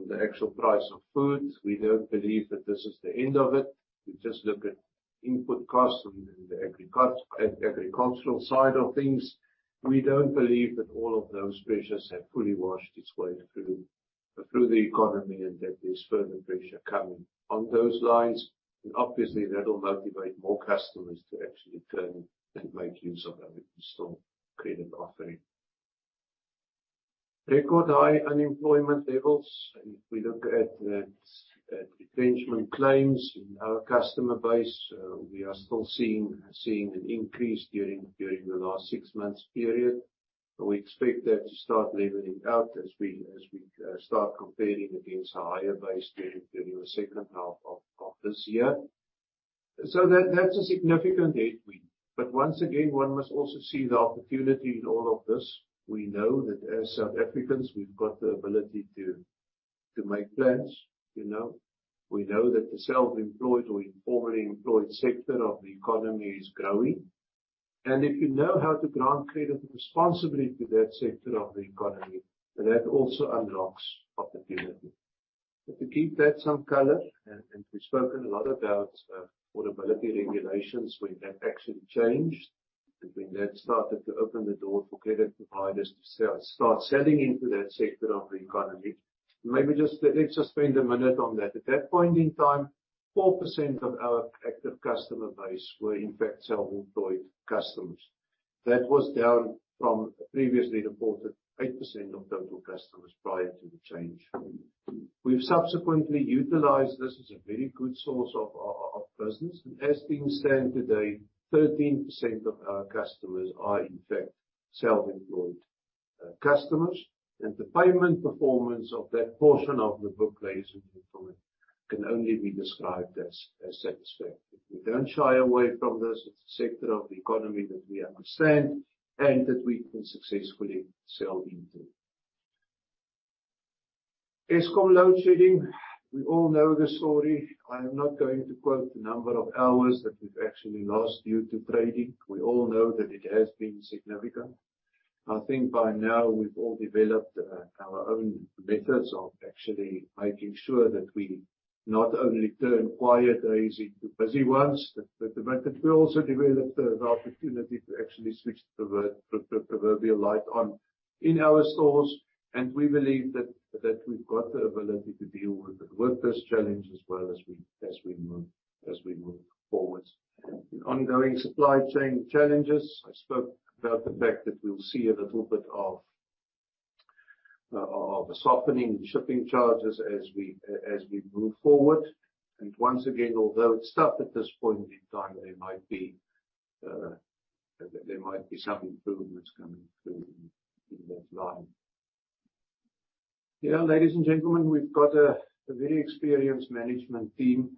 the actual price of food. We don't believe that this is the end of it. We just look at input costs on the agricultural side of things. We don't believe that all of those pressures have fully washed its way through the economy, and that there's further pressure coming on those lines. Obviously that'll motivate more customers to actually turn and make use of our install credit offering. Record high unemployment levels. If we look at retrenchment claims in our customer base, we are still seeing an increase during the last six months period. We expect that to start leveling out as we start comparing against a higher base during the second half of this year. That's a significant headwind. Once again, one must also see the opportunity in all of this. We know that as South Africans, we've got the ability to make plans, you know. We know that the self-employed or informally employed sector of the economy is growing. If you know how to grant credit responsibly to that sector of the economy, then that also unlocks opportunity. To give that some color, we've spoken a lot about affordability regulations when that actually changed, and when that started to open the door for credit providers to sell, start selling into that sector of the economy. Maybe just, let's just spend a minute on that. At that point in time, 4% of our active customer base were in fact self-employed customers. That was down from a previously reported 8% of total customers prior to the change. We've subsequently utilized this as a very good source of our business. As things stand today, 13% of our customers are in fact self-employed customers. The payment performance of that portion of the book, ladies and gentlemen, can only be described as satisfactory. We don't shy away from this. It's a sector of the economy that we understand and that we can successfully sell into. Eskom load shedding, we all know the story. I am not going to quote the number of hours that we've actually lost due to trading. We all know that it has been significant. I think by now we've all developed our own methods of actually making sure that we not only turn quiet days into busy ones, but we also developed the opportunity to actually switch the proverbial light on in our stores. We believe that we've got the ability to deal with this challenge as well as we move forward. The ongoing supply chain challenges. I spoke about the fact that we'll see a little bit of a softening in shipping charges as we move forward. Once again, although it's tough at this point in time, there might be some improvements coming through in that line. Ladies and gentlemen, we've got a very experienced management team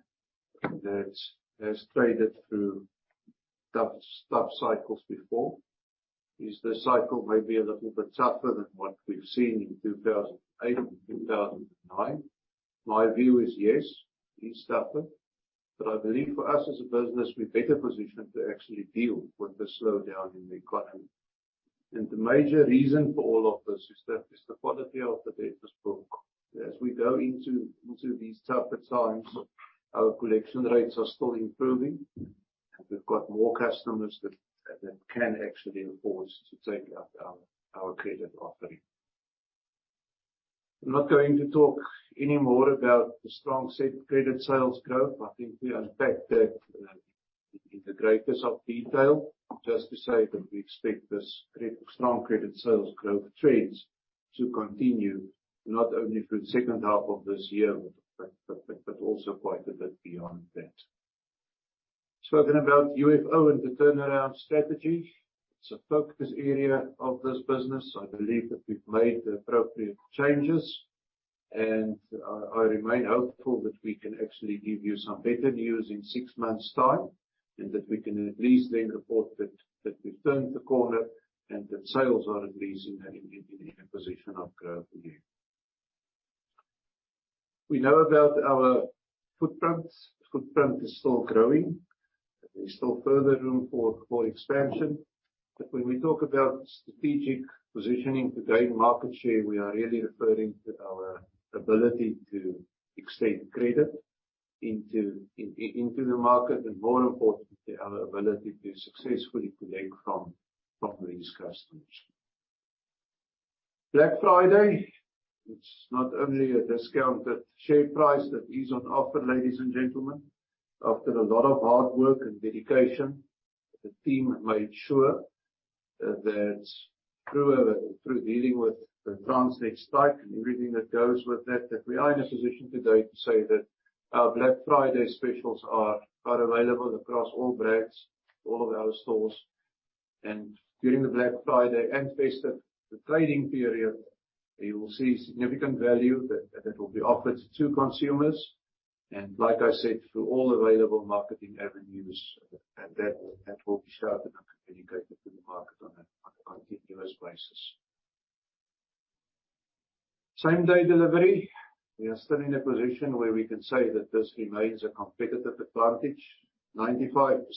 that has traded through tough cycles before. Is this cycle may be a little bit tougher than what we've seen in 2008 and 2009? My view is, yes, it is tougher. I believe for us as a business, we're better positioned to actually deal with the slowdown in the economy. The major reason for all of this is the quality of the debtors book. As we go into these tougher times, our collection rates are still improving, and we've got more customers that can actually afford to take up our credit offering. I'm not going to talk any more about the strong credit sales growth. I think we unpacked that in the greatest of detail. Just to say that we expect strong credit sales growth trends to continue, not only for the second half of this year, but also quite a bit beyond that. Spoken about UFO and the turnaround strategy. It's a focus area of this business. I believe that we've made the appropriate changes, and I remain hopeful that we can actually give you some better news in six months' time, and that we can at least then report that we've turned the corner, and that sales are at least in a position of growth again. We know about our footprint. Footprint is still growing. There's still further room for expansion. When we talk about strategic positioning to gain market share, we are really referring to our ability to extend credit into the market, and more importantly, our ability to successfully collect from these customers. Black Friday, it's not only a discounted share price that is on offer, ladies and gentlemen. After a lot of hard work and dedication, the team made sure that through dealing with the Transnet strike and everything that goes with that, we are in a position today to say that our Black Friday specials are available across all brands, all of our stores. During the Black Friday and festive trading period, you will see significant value that will be offered to consumers. Like I said, through all available marketing avenues, that will be shouted and communicated to the market on a continuous basis. Same-day delivery. We are still in a position where we can say that this remains a competitive advantage. 95%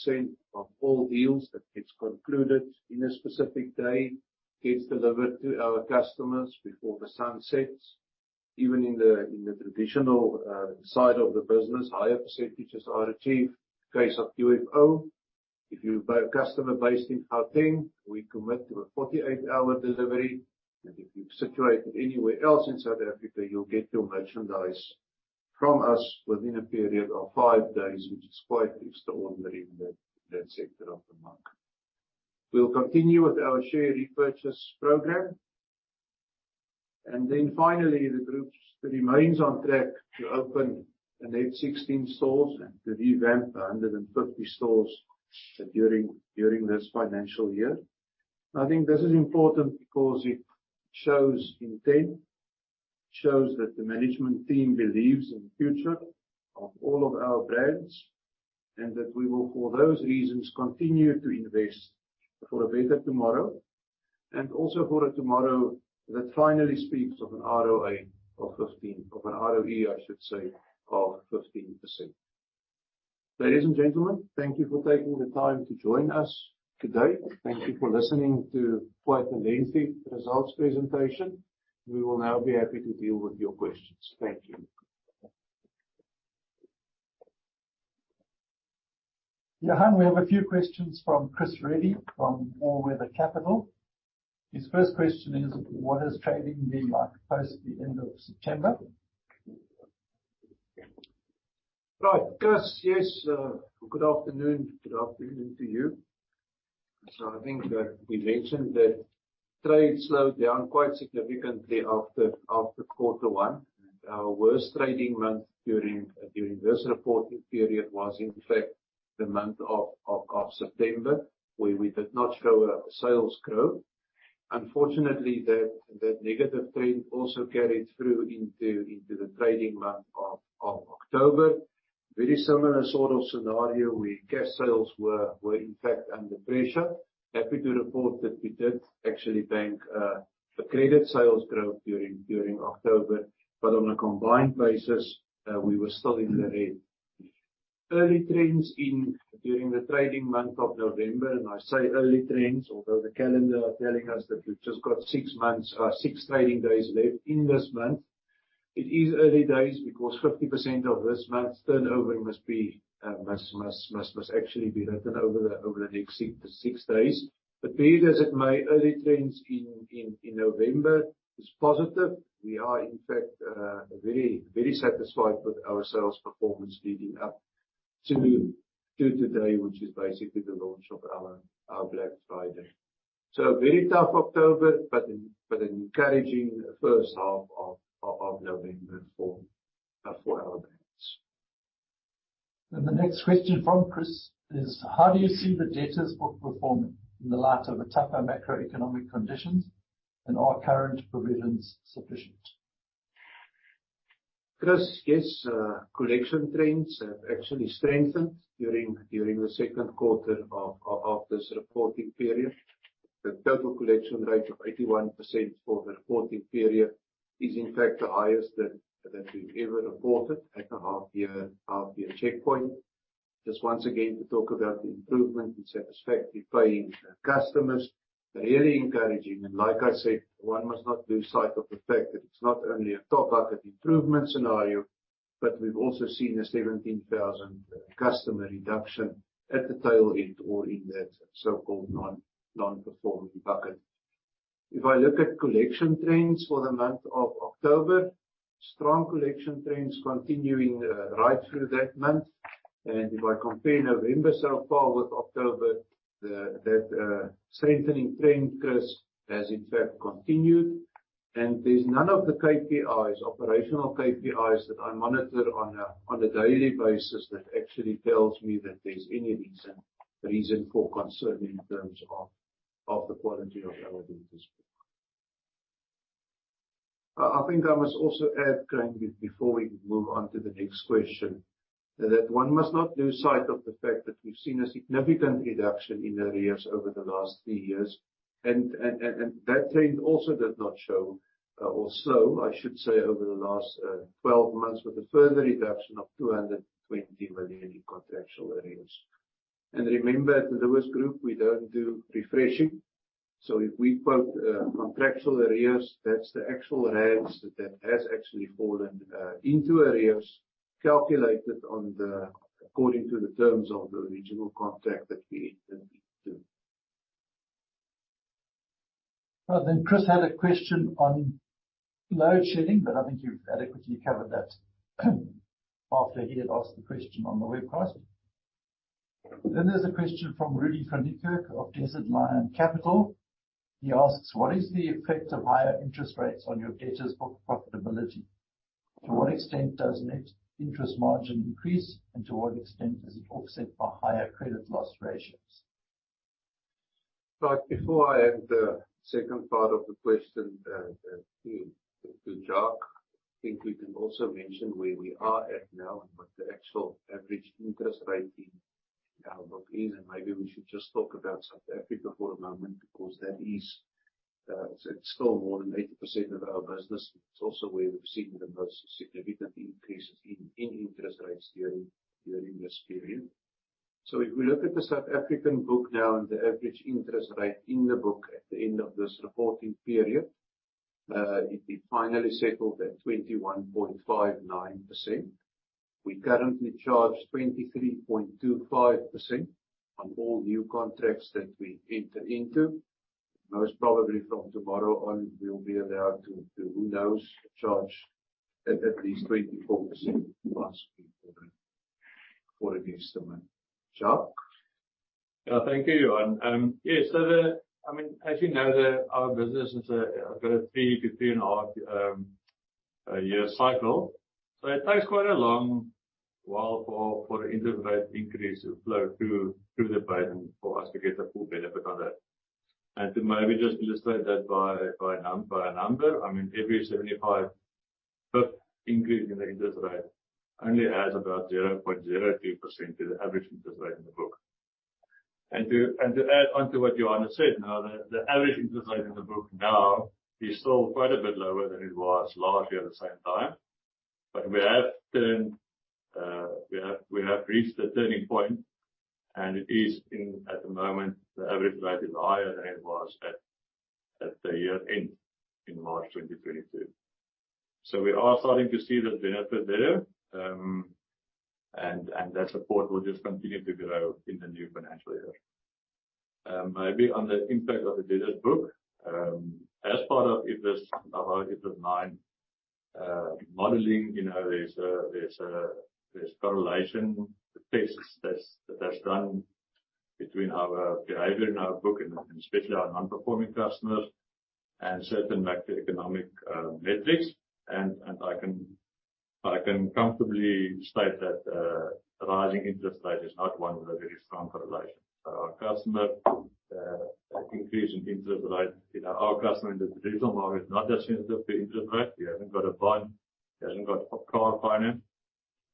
of all deals that gets concluded in a specific day gets delivered to our customers before the sun sets. Even in the traditional side of the business, higher % are achieved. In case of UFO, if you buy a customer based in Gauteng, we commit to a 48-hour delivery. If you're situated anywhere else in South Africa, you'll get your merchandise from us within a period of five days, which is quite extraordinary in that sector of the market. We'll continue with our share repurchase program. Finally, the group remains on track to open a net 16 stores and to revamp 150 stores during this financial year. I think this is important because it shows intent, shows that the management team believes in the future of all of our brands, and that we will, for those reasons, continue to invest for a better tomorrow, and also for a tomorrow that finally speaks of an ROA of 15... Of an ROE, I should say, of 15%. Ladies and gentlemen, thank you for taking the time to join us today. Thank you for listening to quite a lengthy results presentation. We will now be happy to deal with your questions. Thank you. Johan, we have a few questions from Chris Reddy from All Weather Capital. His first question is, what has trading been like post the end of September? Chris, yes, good afternoon. Good afternoon to you. I think that we mentioned that trade slowed down quite significantly after quarter one. Our worst trading month during this reporting period was in fact the month of September, where we did not show a sales growth. Unfortunately, that negative trend also carried through into the trading month of October. Very similar sort of scenario where cash sales were in fact under pressure. Happy to report that we did actually bank the credit sales growth during October. On a combined basis, we were still in the red. Early trends during the trading month of November, and I say early trends, although the calendar are telling us that we've just got six months, six trading days left in this month. It is early days because 50% of this month's turnover must actually be written over the next six days. Be it as it may, early trends in November is positive. We are in fact very satisfied with our sales performance leading up today, which is basically the launch of our Black Friday. A very tough October, but an encouraging first half of November for our banks. The next question from Chris is: How do you see the debtors book performing in the light of the tougher macroeconomic conditions? Are current provisions sufficient? Chris, yes, collection trends have actually strengthened during the second quarter of this reporting period. The total collection rate of 81% for the reporting period is in fact the highest that we've ever reported at a half year checkpoint. Just once again, to talk about the improvement in satisfactory paying customers, really encouraging. Like I said, one must not lose sight of the fact that it's not only a top bucket improvement scenario, but we've also seen a 17,000 customer reduction at the tail end or in that so-called nonperforming bucket. If I look at collection trends for the month of October, strong collection trends continuing right through that month. If I compare November so far with October, that strengthening trend, Chris, has in fact continued. There's none of the KPIs, operational KPIs that I monitor on a daily basis that actually tells me that there's any reason for concern in terms of the quality of our debtors book. I think I must also add, Graeme, before we move on to the next question, that one must not lose sight of the fact that we've seen a significant reduction in arrears over the last three years. That trend also does not show or slow, I should say, over the last 12 months, with a further reduction of 220 million in contractual arrears. Remember, at the Lewis Group, we don't do refreshing. If we quote contractual arrears, that's the actual rands that has actually fallen into arrears, calculated according to the terms of the original contract that we entered into. Then Chris had a question on load shedding, but I think you've adequately covered that after he had asked the question on the webcast. There's a question from Rudi van Niekerk of Desert Lion Capital. He asks: What is the effect of higher interest rates on your debtors book profitability? To what extent does net interest margin increase, and to what extent is it offset by higher credit loss ratios? Before I add the second part of the question, to Jacques, I think we can also mention where we are at now with the actual average interest rate in our book is, and maybe we should just talk about South Africa for a moment, because that is still more than 80% of our business. It's also where we've seen the most significant increases in interest rates during this period. If we look at the South African book now, and the average interest rate in the book at the end of this reporting period, it finally settled at 21.59%. We currently charge 23.25% on all new contracts that we enter into. Most probably from tomorrow on, we'll be allowed to, who knows, charge at least 24% possibly for the next month. Jacques. Yeah. Thank you, Johan. Yes. I mean, as you know, our business is got a 3-3.5 year cycle. It takes quite a long while for the interest rate increase to flow through the bank for us to get the full benefit of that. To maybe just illustrate that by a number, I mean, every 75 pip increase in the interest rate only adds about 0.02% to the average interest rate in the book. To add on to what Johan has said, now, the average interest rate in the book now is still quite a bit lower than it was last year at the same time. We have turned, we have reached a turning point, and it is in, at the moment, the average rate is higher than it was at the year-end in March 2022. We are starting to see the benefit there, and that support will just continue to grow in the new financial year. Maybe on the impact of the debtors book, as part of IFRS, our IFRS 9 modeling, you know, there's a correlation tests that has done between our behavior in our book and especially our non-performing customers and certain macroeconomic metrics. I can comfortably state that rising interest rate is not one with a very strong correlation. Our customer, that increase in interest rate, you know, our customer in the traditional market is not that sensitive to interest rate. He hasn't got a bond, he hasn't got car finance.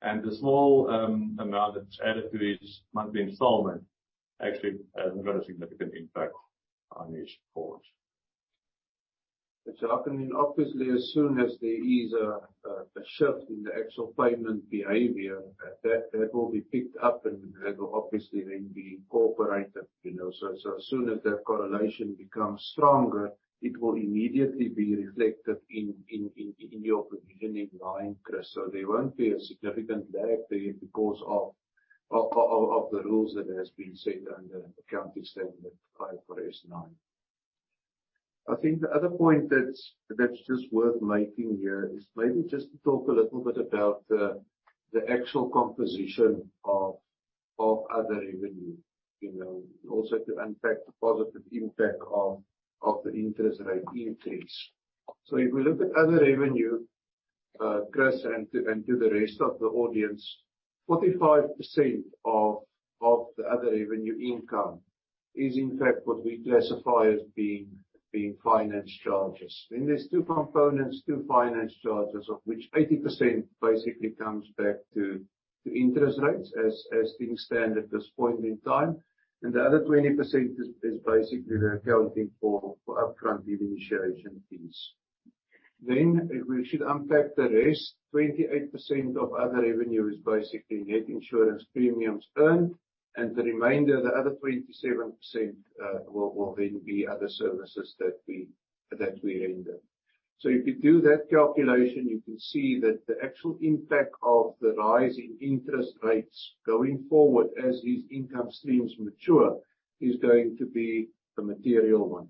The small amount that's added to his monthly installment actually hasn't got a significant impact on his afford. Jacques, I mean, obviously, as soon as there is a shift in the actual payment behavior, that will be picked up, and that will obviously then be incorporated, you know. As soon as that correlation becomes stronger, it will immediately be reflected in your provision in line, Chris. There won't be a significant lag there because of the rules that has been set under accounting standard IFRS 9. I think the other point that's just worth making here is maybe just to talk a little bit about the actual composition of other revenue. You know, also to unpack the positive impact of the interest rate increase. If we look at other revenue, Chris, and to the rest of the audience, 45% of the other revenue income is in fact what we classify as being finance charges. There's two components to finance charges of which 80% basically comes back to interest rates as things stand at this point in time. The other 20% is basically accounting for upfront deed initiation fees. If we should unpack the rest, 28% of other revenue is basically net insurance premiums earned, and the remainder, the other 27%, will then be other services that we render. If you do that calculation, you can see that the actual impact of the rise in interest rates going forward as these income streams mature is going to be a material one.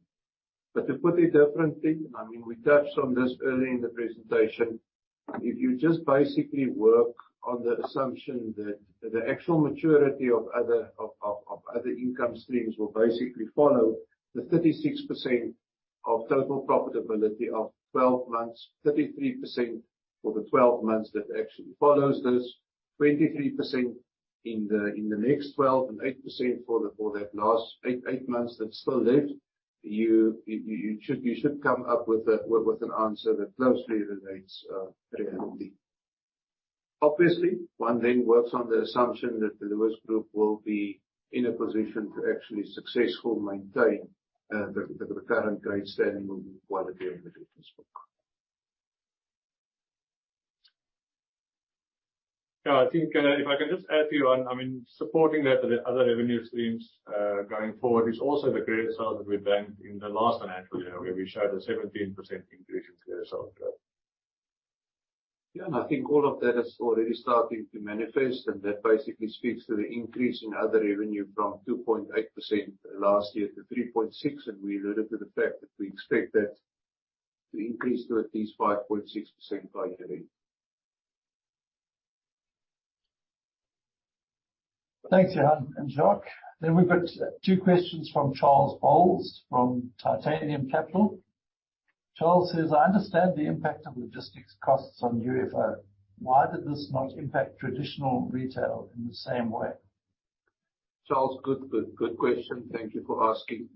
To put it differently, I mean, we touched on this earlier in the presentation. If you just basically work on the assumption that the actual maturity of other income streams will basically follow the 36% of total profitability of 12 months, 33% for the 12 months that actually follows this, 23% in the next 12, and 8% for that last eight months that's still left. You should come up with an answer that closely relates reality. Obviously, one then works on the assumption that the Lewis Group will be in a position to actually successfully maintain the current grade standing on the quality of the debt book. I think, if I can just add here, I mean, supporting that other revenue streams, going forward is also the greater sales that we banked in the last financial year, where we showed a 17% increase in greater sales growth. Yeah. I think all of that is already starting to manifest, and that basically speaks to the increase in other revenue from 2.8% last year to 3.6%. We alluded to the fact that we expect that to increase to at least 5.6% by year-end. Thanks, Johan and Jacques. We've got two questions from Charles Bowles from Titanium Capital. Charles says: I understand the impact of logistics costs on UFO. Why did this not impact traditional retail in the same way? Charles, good question. Thank you for asking.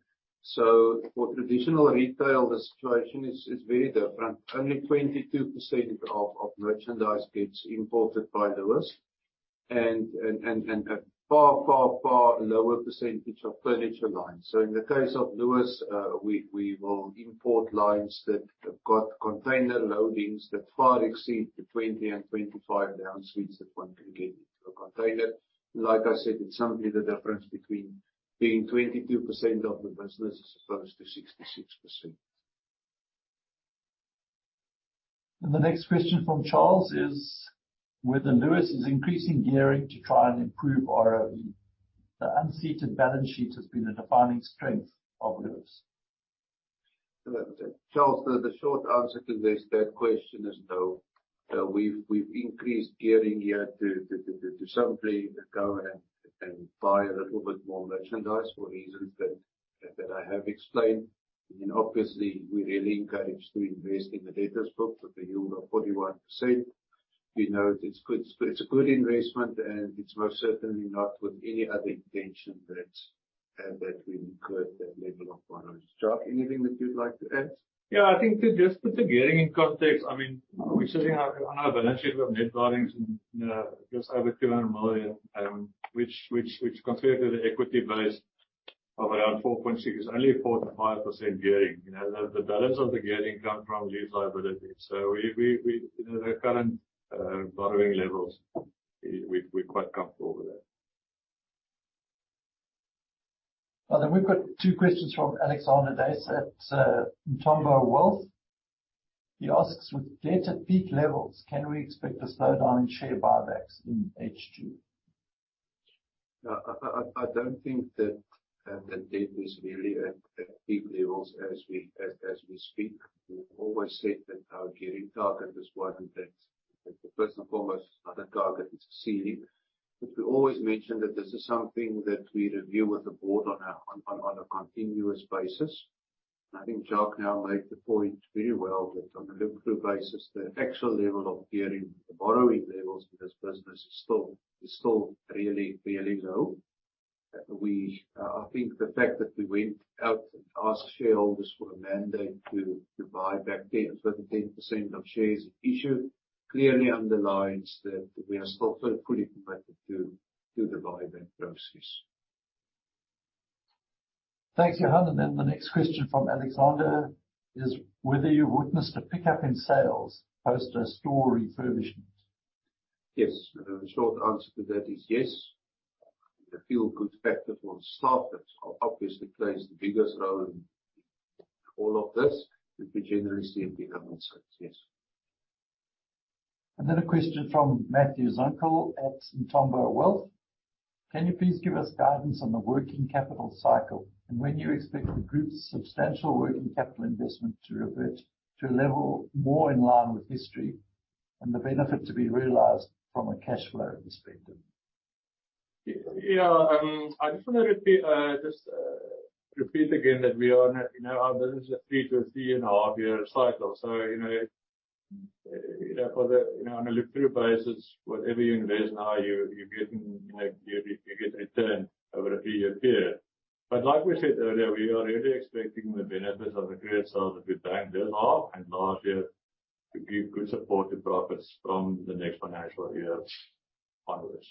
For traditional retail, the situation is very different. Only 22% of merchandise gets imported by Lewis and a far lower percentage of furniture lines. In the case of Lewis, we will import lines that have got container loadings that far exceed the 20 and 25 down suites that one can get into a container. Like I said, it's simply the difference between doing 22% of the business as opposed to 66%. The next question from Charles is whether Lewis is increasing gearing to try and improve ROE. The unseated balance sheet has been a defining strength of Lewis. Charles, the short answer to this, that question is no. We've increased gearing here to simply go and buy a little bit more merchandise for reasons that I have explained. Obviously, we're really encouraged to invest in the debtors book with a yield of 41%. We know it's good... It's a good investment, and it's most certainly not with any other intention that we incurred that level of finance. Jacques, anything that you'd like to add? Yeah, I think to just put the gearing in context, I mean, we're sitting on our balance sheet with net borrowings in just over 200 million, which compared to the equity base of around 4.6 billion, is only 4%-5% gearing. You know, the balance of the gearing come from lease liabilities. You know, the current borrowing levels, we're quite comfortable with that. Well, we've got two questions from Alexander Duys at Umthombo Wealth. He asks: With debt at peak levels, can we expect a slowdown in share buybacks in H2? No. I don't think that the debt is really at peak levels as we speak. We've always said that our gearing target is one and that's first and foremost, not a target, it's a ceiling. We always mention that this is something that we review with the board on a continuous basis. I think Jacques now made the point very well that on a look-through basis, the actual level of gearing, the borrowing levels for this business is still really, really low. We, I think the fact that we went out and asked shareholders for a mandate to buy back 10% of shares issued, clearly underlines that we are still fully committed to the buyback process. Thanks, Johan. The next question from Alexander is whether you've witnessed a pickup in sales post a store refurbishments. Yes. The short answer to that is yes. The feel good factor from SARS obviously plays the biggest role in all of this, but we generally see an improvement in sales, yes. Another question from Matthew Zunckel at Umthombo Wealth. Can you please give us guidance on the working capital cycle and when you expect the group's substantial working capital investment to revert to a level more in line with history and the benefit to be realized from a cash flow perspective? Yeah. I just wanna repeat again that we are, our business is a three to a three and a half year cycle. For the, on a look-through basis, whatever you invest now, you're getting, you get a return over a three-year period. Like we said earlier, we are really expecting the benefits of the greater sales that we banked this half and last year to give good support to profits from the next financial year onwards.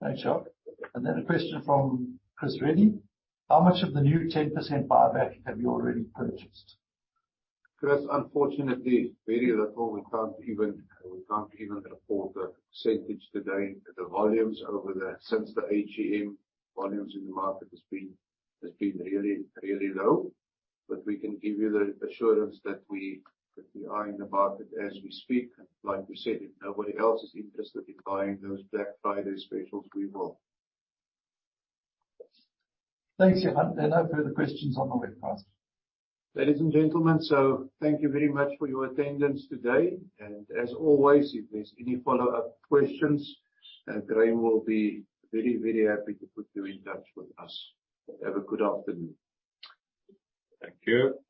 Thanks, Jacques. A question from Chris Reddy. How much of the new 10% buyback have you already purchased? Chris, unfortunately, very little. We can't even report a % today. Since the AGM, volumes in the market has been really, really low. We can give you the assurance that we are in the market as we speak. Like we said, if nobody else is interested in buying those Black Friday specials, we will. Thanks, Johan. There are no further questions on the webcast. Ladies and gentlemen, thank you very much for your attendance today. As always, if there's any follow-up questions, Graeme will be very, very happy to put you in touch with us. Have a good afternoon. Thank you.